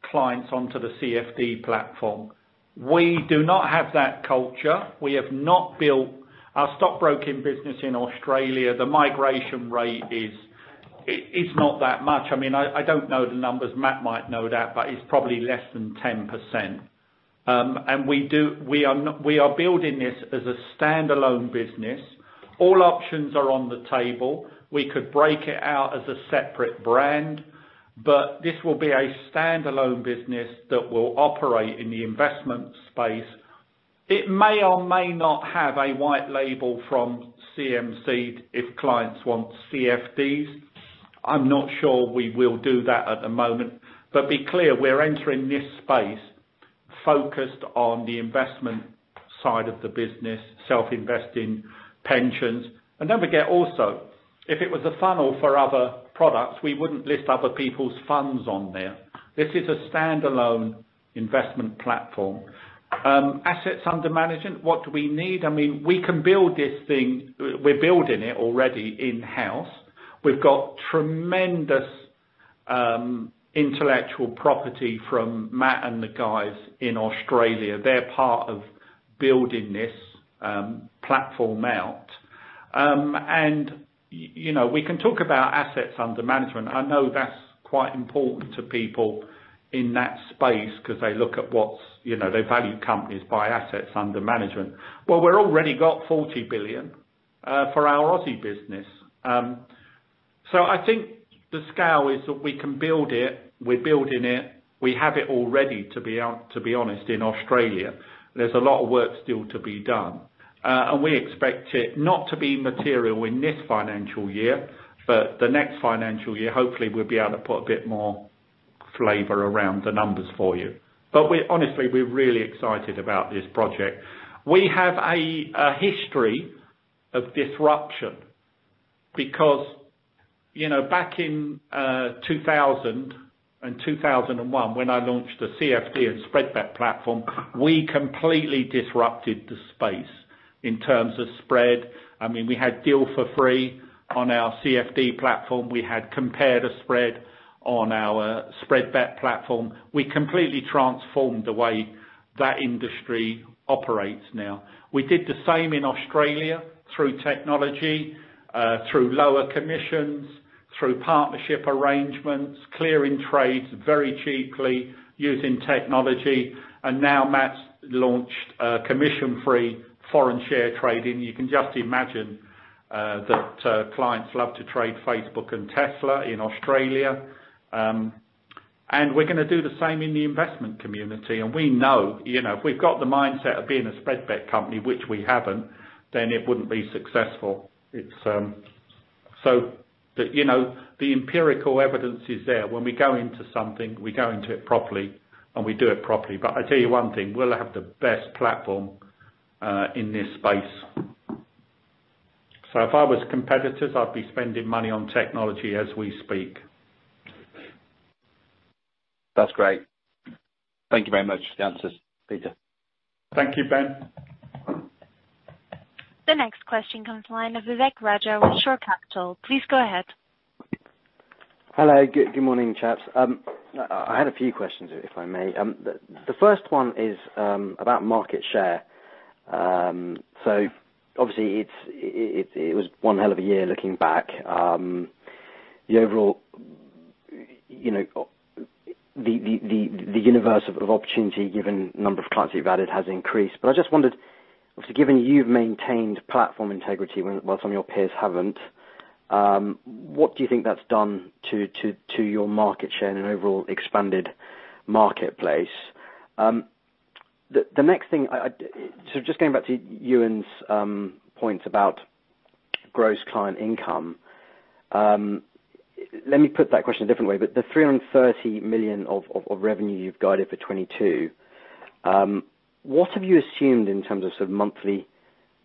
Speaker 1: clients onto the CFD platform. We do not have that culture. We have not built our stockbroking business in Australia. The migration rate is not that much. I don't know the numbers. Matt might know that, but it's probably less than 10%. We are building this as a standalone business. All options are on the table. We could break it out as a separate brand, but this will be a standalone business that will operate in the investment space. It may or may not have a white label from CMC if clients want CFDs. I'm not sure we will do that at the moment. Be clear, we're entering this space focused on the investment side of the business, self-investing pensions. Don't forget also, if it was a funnel for other products, we wouldn't list other people's funds on there. This is a standalone investment platform. Assets under management, what do we need? We can build this thing. We're building it already in-house. We've got tremendous intellectual property from Matt and the guys in Australia. They're part of building this platform out. We can talk about assets under management. I know that's quite important to people in that space because they value companies by assets under management. Well, we've already got 40 billion for our Aussie business. I think the scale is that we can build it. We're building it. We have it all ready, to be honest, in Australia. There's a lot of work still to be done. We expect it not to be material in this financial year, but the next financial year, hopefully, we'll be able to put a bit more flavor around the numbers for you. Honestly, we're really excited about this project. We have a history of disruption because back in 2000 and 2001, when I launched the CFD and spread bet platform, we completely disrupted the space in terms of spread. We had deal for free on our CFD platform. We had compare the spread on our spread bet platform. We completely transformed the way That industry operates now. We did the same in Australia through technology, through lower commissions, through partnership arrangements, clearing trades very cheaply using technology, and now Matt launched commission-free foreign share trading. You can just imagine that clients love to trade Facebook and Tesla in Australia. We're going to do the same in the investment community, and we know. If we've got the mindset of being a spread bet company, which we haven't, then it wouldn't be successful. The empirical evidence is there. When we go into something, we go into it properly, and we do it properly. I tell you one thing, we'll have the best platform in this space. If I was competitors, I'd be spending money on technology as we speak.
Speaker 6: That's great. Thank you very much for the answers, Peter.
Speaker 1: Thank you, Ben.
Speaker 5: The next question comes the line of Vivek Raja with Shore Capital. Please go ahead.
Speaker 7: Hello. Good morning, chaps. I had a few questions if I may. The first one is about market share. Obviously it was one hell of a year looking back. The universe of opportunity, given the number of clients you've added, has increased. I just wondered, given you've maintained platform integrity whilst some your peers haven't, what do you think that's done to your market share in an overall expanded marketplace? The next thing, just going back to Euan's point about gross client income. Let me put that question a different way, but the 330 million of revenue you've guided for 2022, what have you assumed in terms of monthly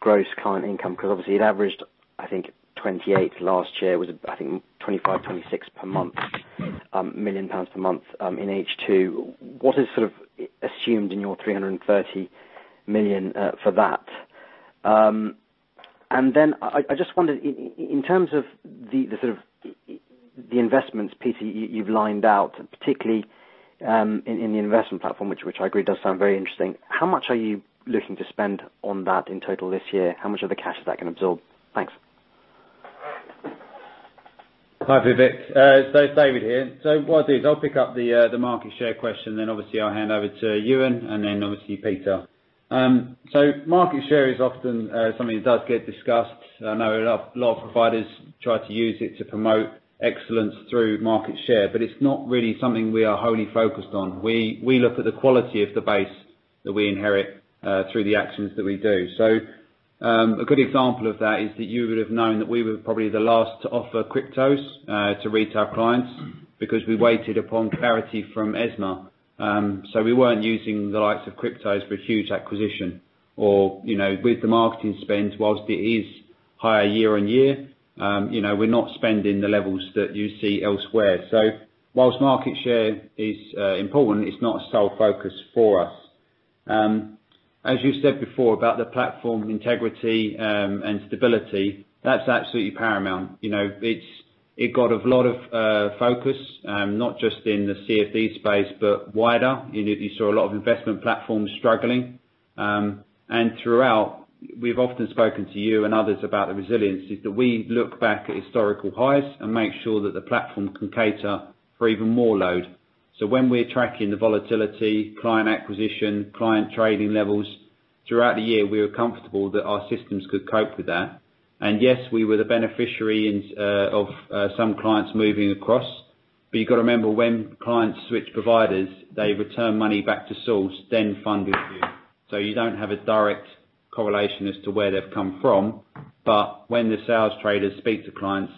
Speaker 7: gross client income? Obviously it averaged, I think, 28 million last year was I think 25.6 million pounds per month in H2. What is assumed in your 330 million for that? I just wondered in terms of the investments piece that you've lined out, particularly in the investment platform, which I agree does sound very interesting, how much are you looking to spend on that in total this year? How much of the cash is that going to absorb? Thanks.
Speaker 3: Hi, Vivek. David here. What I'll do is I'll pick up the market share question, then obviously I'll hand over to Euan, and then obviously Peter. Market share is often something that does get discussed. I know a lot of providers try to use it to promote excellence through market share, but it's not really something we are wholly focused on. We look at the quality of the base that we inherit through the actions that we do. A good example of that is that you would've known that we were probably the last to offer cryptos to retail clients because we waited upon clarity from ESMA. We weren't using the likes of cryptos for huge acquisition or with the marketing spend, whilst it is higher year on year, we're not spending the levels that you see elsewhere. Whilst market share is important, it's not a sole focus for us. As you said before about the platform integrity and stability, that's absolutely paramount. It got a lot of focus, not just in the CFD space, but wider. You saw a lot of investment platforms struggling. Throughout, we've often spoken to you and others about the resiliency, that we look back at historical highs and make sure that the platform can cater for even more load. When we are tracking the volatility, client acquisition, client trading levels, throughout the year, we were comfortable that our systems could cope with that. Yes, we were the beneficiary of some clients moving across. You've got to remember, when clients switch providers, they return money back to source, then fund with you. You don't have a direct correlation as to where they've come from. When the sales traders speak to clients,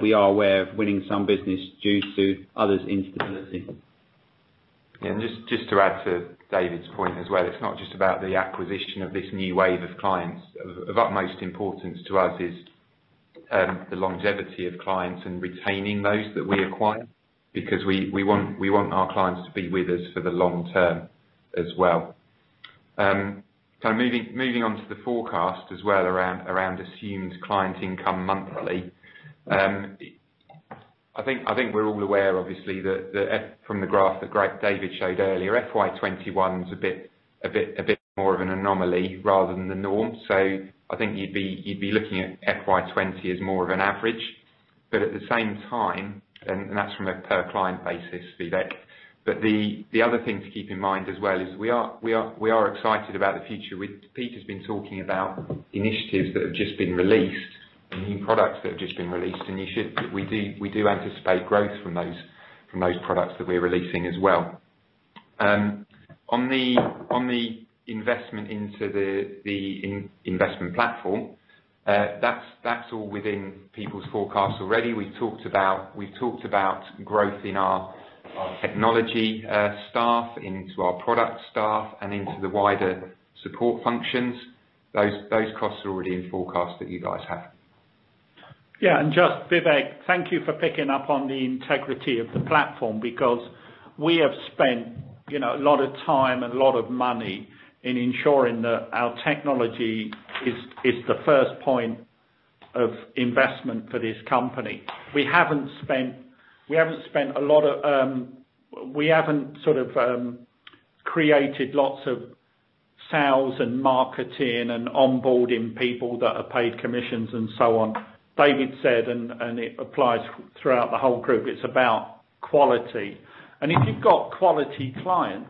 Speaker 3: we are aware of winning some business due to others' instability.
Speaker 2: Just to add to David's point as well, it's not just about the acquisition of this new wave of clients. Of utmost importance to us is the longevity of clients and retaining those that we acquire because we want our clients to be with us for the long term as well. Moving on to the forecast as well around assumed client income monthly. I think we're all aware, obviously, that from the graph that David showed earlier, FY 2021 was a bit more of an anomaly rather than the norm. I think you'd be looking at FY 2020 as more of an average. At the same time, and that's from a per client basis, Vivek. The other thing to keep in mind as well is we are excited about the future. Peter's been talking about initiatives that have just been released and new products that have just been released, and we do anticipate growth from those products that we're releasing as well. On the investment into the investment platform, that's all within people's forecasts already. We talked about growth in our technology staff, into our product staff, and into the wider support functions. Those costs are already in forecast that you guys have.
Speaker 1: Yeah, just Vivek, thank you for picking up on the integrity of the platform because we have spent a lot of time and a lot of money in ensuring that our technology is the first point. Of investment for this company. We haven't sort of created lots of sales and marketing and onboarding people that are paid commissions and so on. David said, it applies throughout the whole group, it's about quality. If you've got quality clients,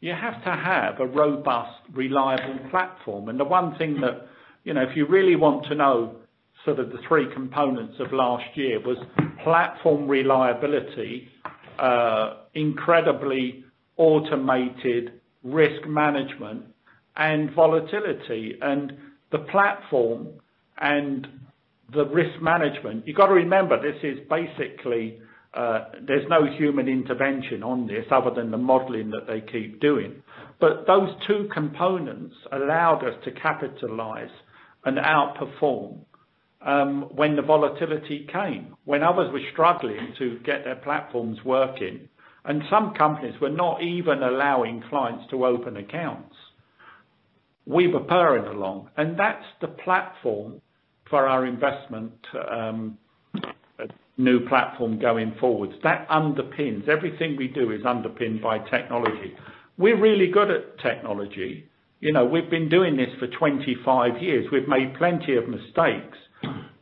Speaker 1: you have to have a robust, reliable platform. The one thing that, if you really want to know sort of the three components of last year was platform reliability, incredibly automated risk management, and volatility. The platform and the risk management, you got to remember, this is basically, there's no human intervention on this other than the modeling that they keep doing. Those two components allowed us to capitalize and outperform when the volatility came, when others were struggling to get their platforms working, and some companies were not even allowing clients to open accounts. We were purring along. That's the platform for our investment, new platform going forwards. Everything we do is underpinned by technology. We're really good at technology. We've been doing this for 25 years. We've made plenty of mistakes.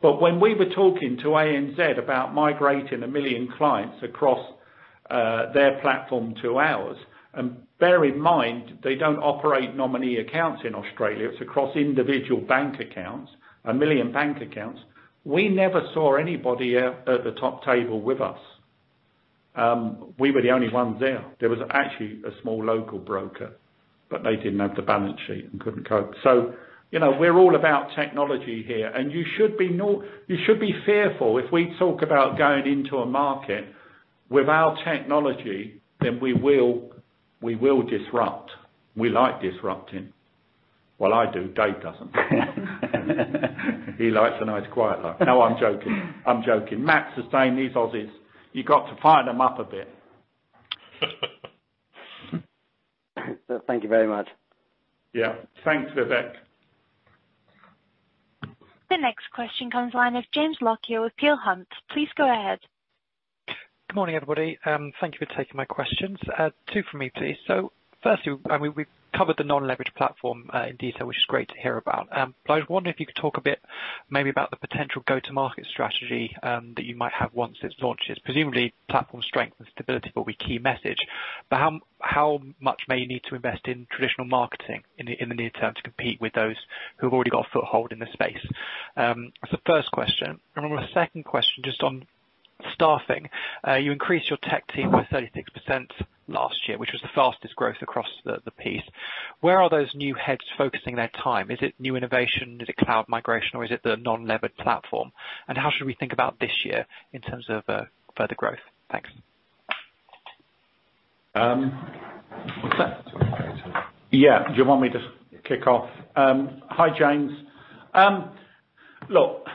Speaker 1: When we were talking to ANZ about migrating a million clients across their platform to ours, and bear in mind, they don't operate nominee accounts in Australia, it's across individual bank accounts, a million bank accounts. We never saw anybody at the top table with us. We were the only ones there. There was actually a small local broker, but they didn't have the balance sheet and couldn't cope. We're all about technology here, and you should be fearful if we talk about going into a market without technology, then we will disrupt. We like disrupting. Well, I do. Dave doesn't. He likes a nice quiet life. No, I'm joking. Matt's the same, he's Aussies. You got to fire them up a bit.
Speaker 7: Thank you very much.
Speaker 1: Yeah. Thanks, Vivek.
Speaker 5: The next question comes from the line of James Lockyer with Peel Hunt. Please go ahead.
Speaker 8: Good morning, everybody. Thank you for taking my questions. Two from me, please. Firstly, we've covered the non-leveraged platform in detail, which is great to hear about. I wonder if you could talk a bit maybe about the potential go-to-market strategy that you might have once it's launched. Usually, platform strength and stability will be key message. How much may you need to invest in traditional marketing in the near term to compete with those who've already got a foothold in the space? That's the first question. On a second question, just on staffing. You increased your tech team by 36% last year, which was the fastest growth across the piece. Where are those new heads focusing their time? Is it new innovation? Is it cloud migration? Or is it the non-leveraged platform? How should we think about this year in terms of further growth? Thanks.
Speaker 1: Yeah. Do you want me to kick off? Hi, James. Look,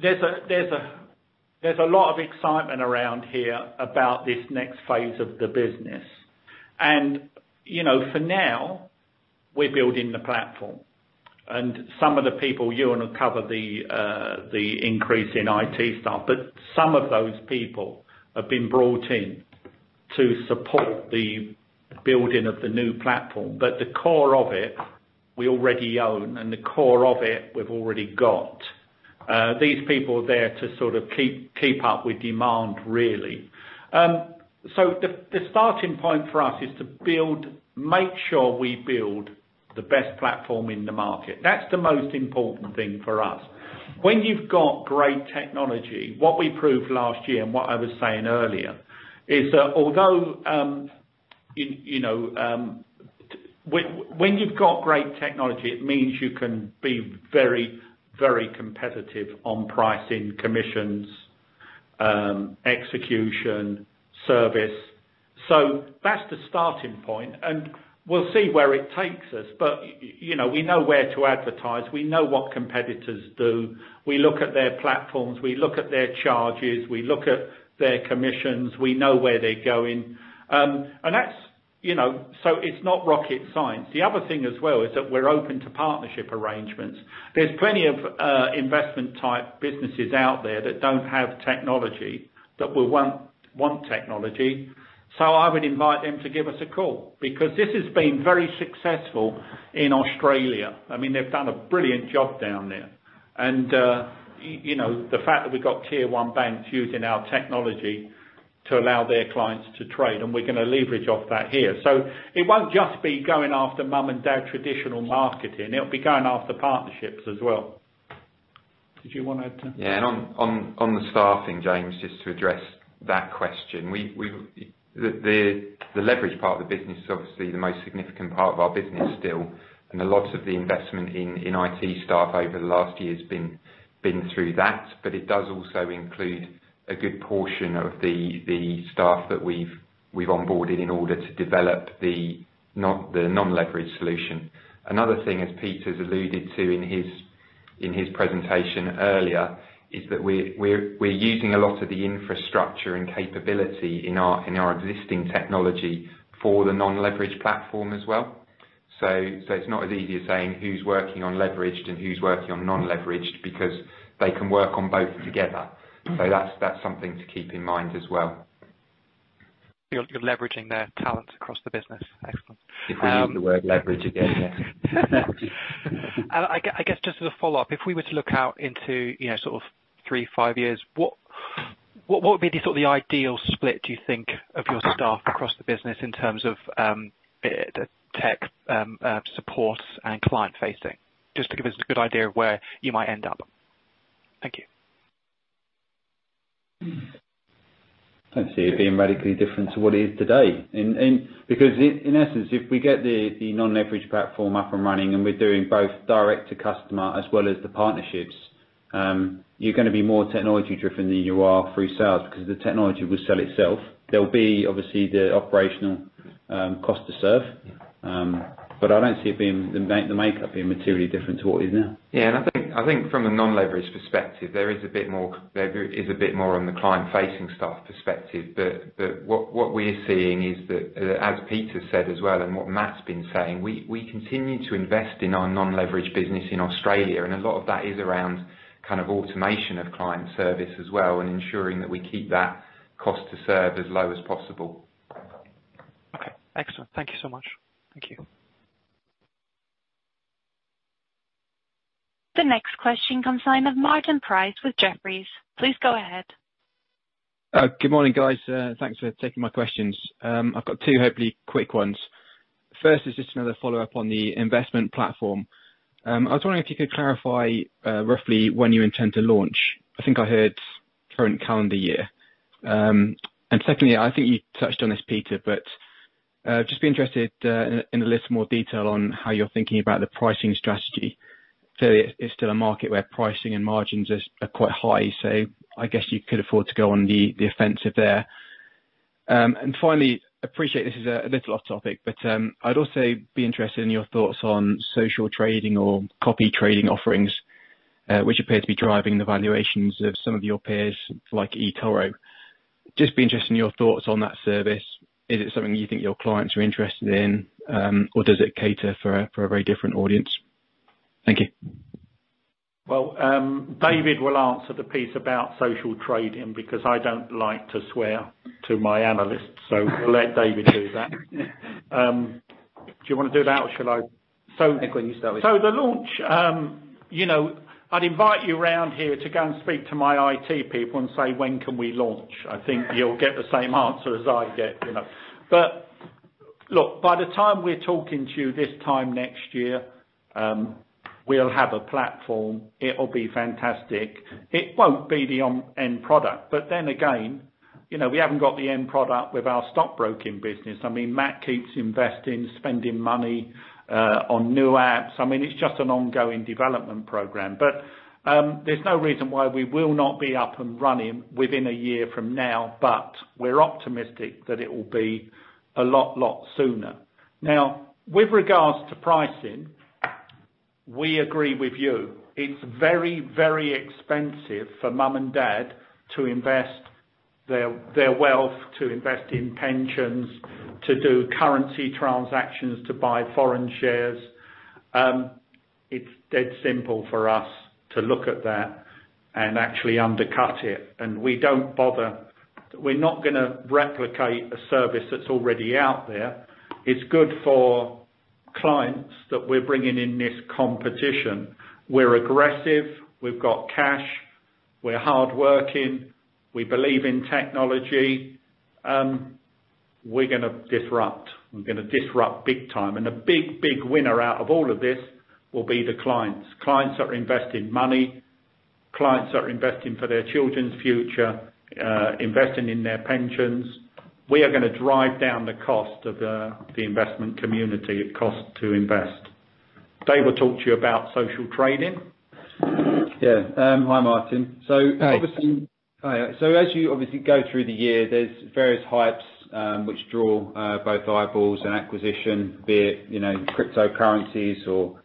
Speaker 1: there's a lot of excitement around here about this next phase of the business. For now, we're building the platform. Some of the people, you want to cover the increase in IT staff, but some of those people have been brought in to support the building of the new platform. The core of it, we already own, and the core of it, we've already got. These people are there to sort of keep up with demand, really. The starting point for us is to make sure we build the best platform in the market. That's the most important thing for us. When you've got great technology, it means you can be very, very competitive on pricing, commissions, execution, service. That's the starting point, and we'll see where it takes us. We know where to advertise. We know what competitors do. We look at their platforms. We look at their charges. We look at their commissions. We know where they're going. It's not rocket science. The other thing as well is that we're open to partnership arrangements. There's plenty of investment-type businesses out there that don't have technology that will want technology. I would invite them to give us a call because this has been very successful in Australia. They've done a brilliant job down there. The fact that we've got Tier-1 banks using our technology to allow their clients to trade, and we're going to leverage off that here. It won't just be going after mom-and-dad traditional marketing. It'll be going after partnerships as well.
Speaker 2: Yeah. On the staffing, James, just to address that question. The leverage part of the business is obviously the most significant part of our business still, and a lot of the investment in IT staff over the last year has been through that. It does also include a good portion of the staff that we've onboarded in order to develop the non-leveraged solution. Another thing, as Peter's alluded to in his presentation earlier, is that we're using a lot of the infrastructure and capability in our existing technology for the non-leveraged platform as well. It's not as easy as saying who's working on leveraged and who's working on non-leveraged because they can work on both together. That's something to keep in mind as well.
Speaker 8: You're leveraging their talent across the business. Excellent.
Speaker 2: If we use the word leverage again here.
Speaker 8: I guess just as a follow-up, if we were to look out into sort of three, five years, what would be the ideal split, do you think, of your staff across the business in terms of tech, support, and client-facing? Just to give us a good idea of where you might end up. Thank you.
Speaker 2: I don't see it being radically different to what it is today. In essence, if we get the non-leveraged platform up and running and we're doing both direct to customer as well as the partnerships, you're going to be more technology-driven than you are through sales because the technology will sell itself. There'll be obviously the operational cost to serve. I don't see the makeup being materially different to what it is now.
Speaker 3: I think from a non-leveraged perspective, there is a bit more on the client-facing staff perspective, but what we're seeing is that, as Peter said as well, and what Matt's been saying, we continue to invest in our non-leveraged business in Australia, and a lot of that is around kind of automation of client service as well and ensuring that we keep that cost to serve as low as possible.
Speaker 8: Okay. Excellent. Thank you so much.
Speaker 3: Thank you.
Speaker 5: The next question comes in from Martin Price with Jefferies. Please go ahead.
Speaker 9: Good morning, guys. Thanks for taking my questions. I've got two hopefully quick ones. First is just another follow-up on the investment platform. I was wondering if you could clarify roughly when you intend to launch. I think I heard current calendar year. Secondly, I think you touched on this, Peter, but just be interested in a little more detail on how you're thinking about the pricing strategy. Clearly it's still a market where pricing and margins are quite high, so I guess you could afford to go on the offensive there. Finally, appreciate this is a little off topic, but I'd also be interested in your thoughts on social trading or copy trading offerings, which appear to be driving the valuations of some of your peers like eToro. Just be interested in your thoughts on that service. Is it something you think your clients are interested in, or does it cater for a very different audience? Thank you.
Speaker 1: David will answer the piece about social trading because I don't like to swear to my analysts, so we'll let David do that. Do you want to do that or shall I? The launch, I'd invite you around here to go and speak to my IT people and say, "When can we launch?" I think you'll get the same answer as I get. Look, by the time we're talking to you this time next year, we'll have a platform. It'll be fantastic. It won't be the end product, but then again, we haven't got the end product with our stockbroking business. Matt keeps investing, spending money on new apps. It's just an ongoing development program. There's no reason why we will not be up and running within a year from now, but we're optimistic that it will be a lot, lot sooner. With regards to pricing, we agree with you. It's very expensive for mom and dad to invest their wealth, to invest in pensions, to do currency transactions, to buy foreign shares. It's dead simple for us to look at that and actually undercut it, and we don't bother. We're not going to replicate a service that's already out there. It's good for clients that we're bringing in this competition. We're aggressive. We've got cash. We're hardworking. We believe in technology. We're going to disrupt. We're going to disrupt big time. A big winner out of all of this will be the clients. Clients that are investing money, clients that are investing for their children's future, investing in their pensions. We are going to drive down the cost of the investment community, cost to invest. Dave will talk to you about social trading.
Speaker 3: Yeah. Hi, Martin.
Speaker 1: Hey.
Speaker 3: As you obviously go through the year, there's various hypes which draw both eyeballs and acquisition, be it cryptocurrencies or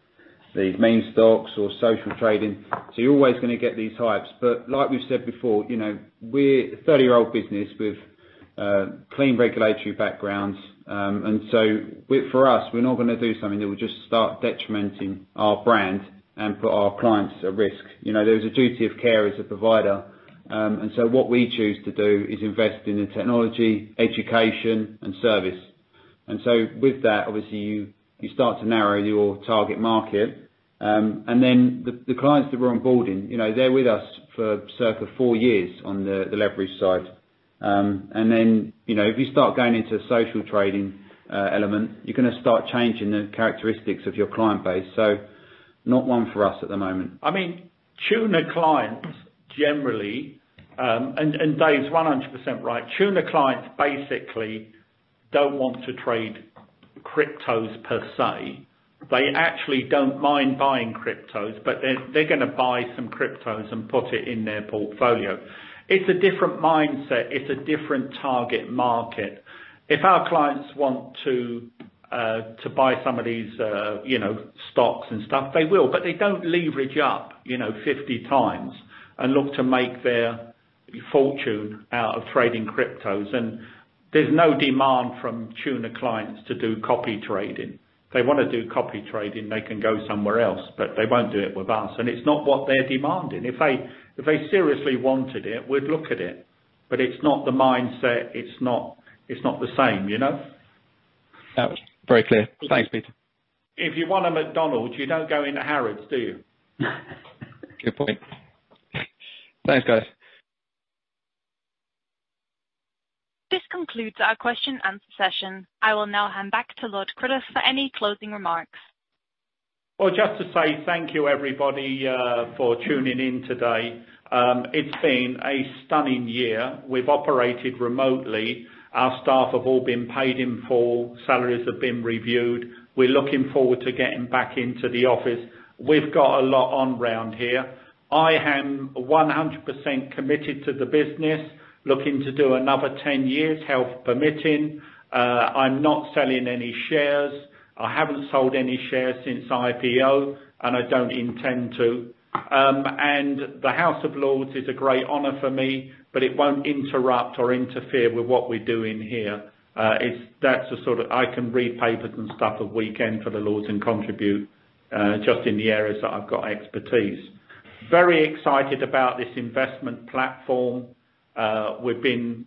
Speaker 3: these meme stocks or social trading. You're always going to get these hypes. Like we said before, we're a 30-year-old business with clean regulatory backgrounds. For us, we're not going to do something that will just start detrimenting our brand and put our clients at risk. There's a duty of care as a provider. What we choose to do is invest in the technology, education, and service. With that, obviously you start to narrow your target market. The clients that we're onboarding, they're with us for circa four years on the leverage side. If you start going into social trading element, you're going to start changing the characteristics of your client base. Not one for us at the moment.
Speaker 1: Tuna clients generally, and Dave's 100% right. Tuna clients basically don't want to trade cryptos per se. They actually don't mind buying cryptos. They're going to buy some cryptos and put it in their portfolio. It's a different mindset. It's a different target market. If our clients want to buy some of these stocks and stuff, they will. They don't leverage up 50x and look to make their fortune out of trading cryptos. There's no demand from Tuna clients to do copy trading. They want to do copy trading, they can go somewhere else. They won't do it with us. It's not what they're demanding. If they seriously wanted it, we'd look at it. It's not the mindset. It's not the same.
Speaker 9: That was very clear. Thanks, Peter.
Speaker 1: If you want a McDonald's, you don't go into Harrods, do you?
Speaker 9: Good point. Thanks, guys.
Speaker 5: This concludes our question and answer session. I will now hand back to Lord Cruddas for any closing remarks.
Speaker 1: Well, just to say thank you, everybody, for tuning in today. It's been a stunning year. We've operated remotely. Our staff have all been paid in full. Salaries have been reviewed. We're looking forward to getting back into the office. We've got a lot on around here. I am 100% committed to the business, looking to do another 10 years, health permitting. I'm not selling any shares. I haven't sold any shares since IPO, and I don't intend to. The House of Lords is a great honor for me, but it won't interrupt or interfere with what we're doing here. I can read papers and stuff at weekend for the Lords and contribute just in the areas that I've got expertise. Very excited about this investment platform. We've been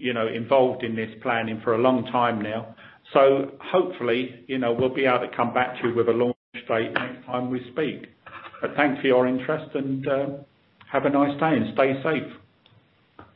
Speaker 1: involved in this planning for a long time now. Hopefully, we'll be able to come back to you with a launch date any time we speak. Thanks for your interest and have a nice day, and stay safe.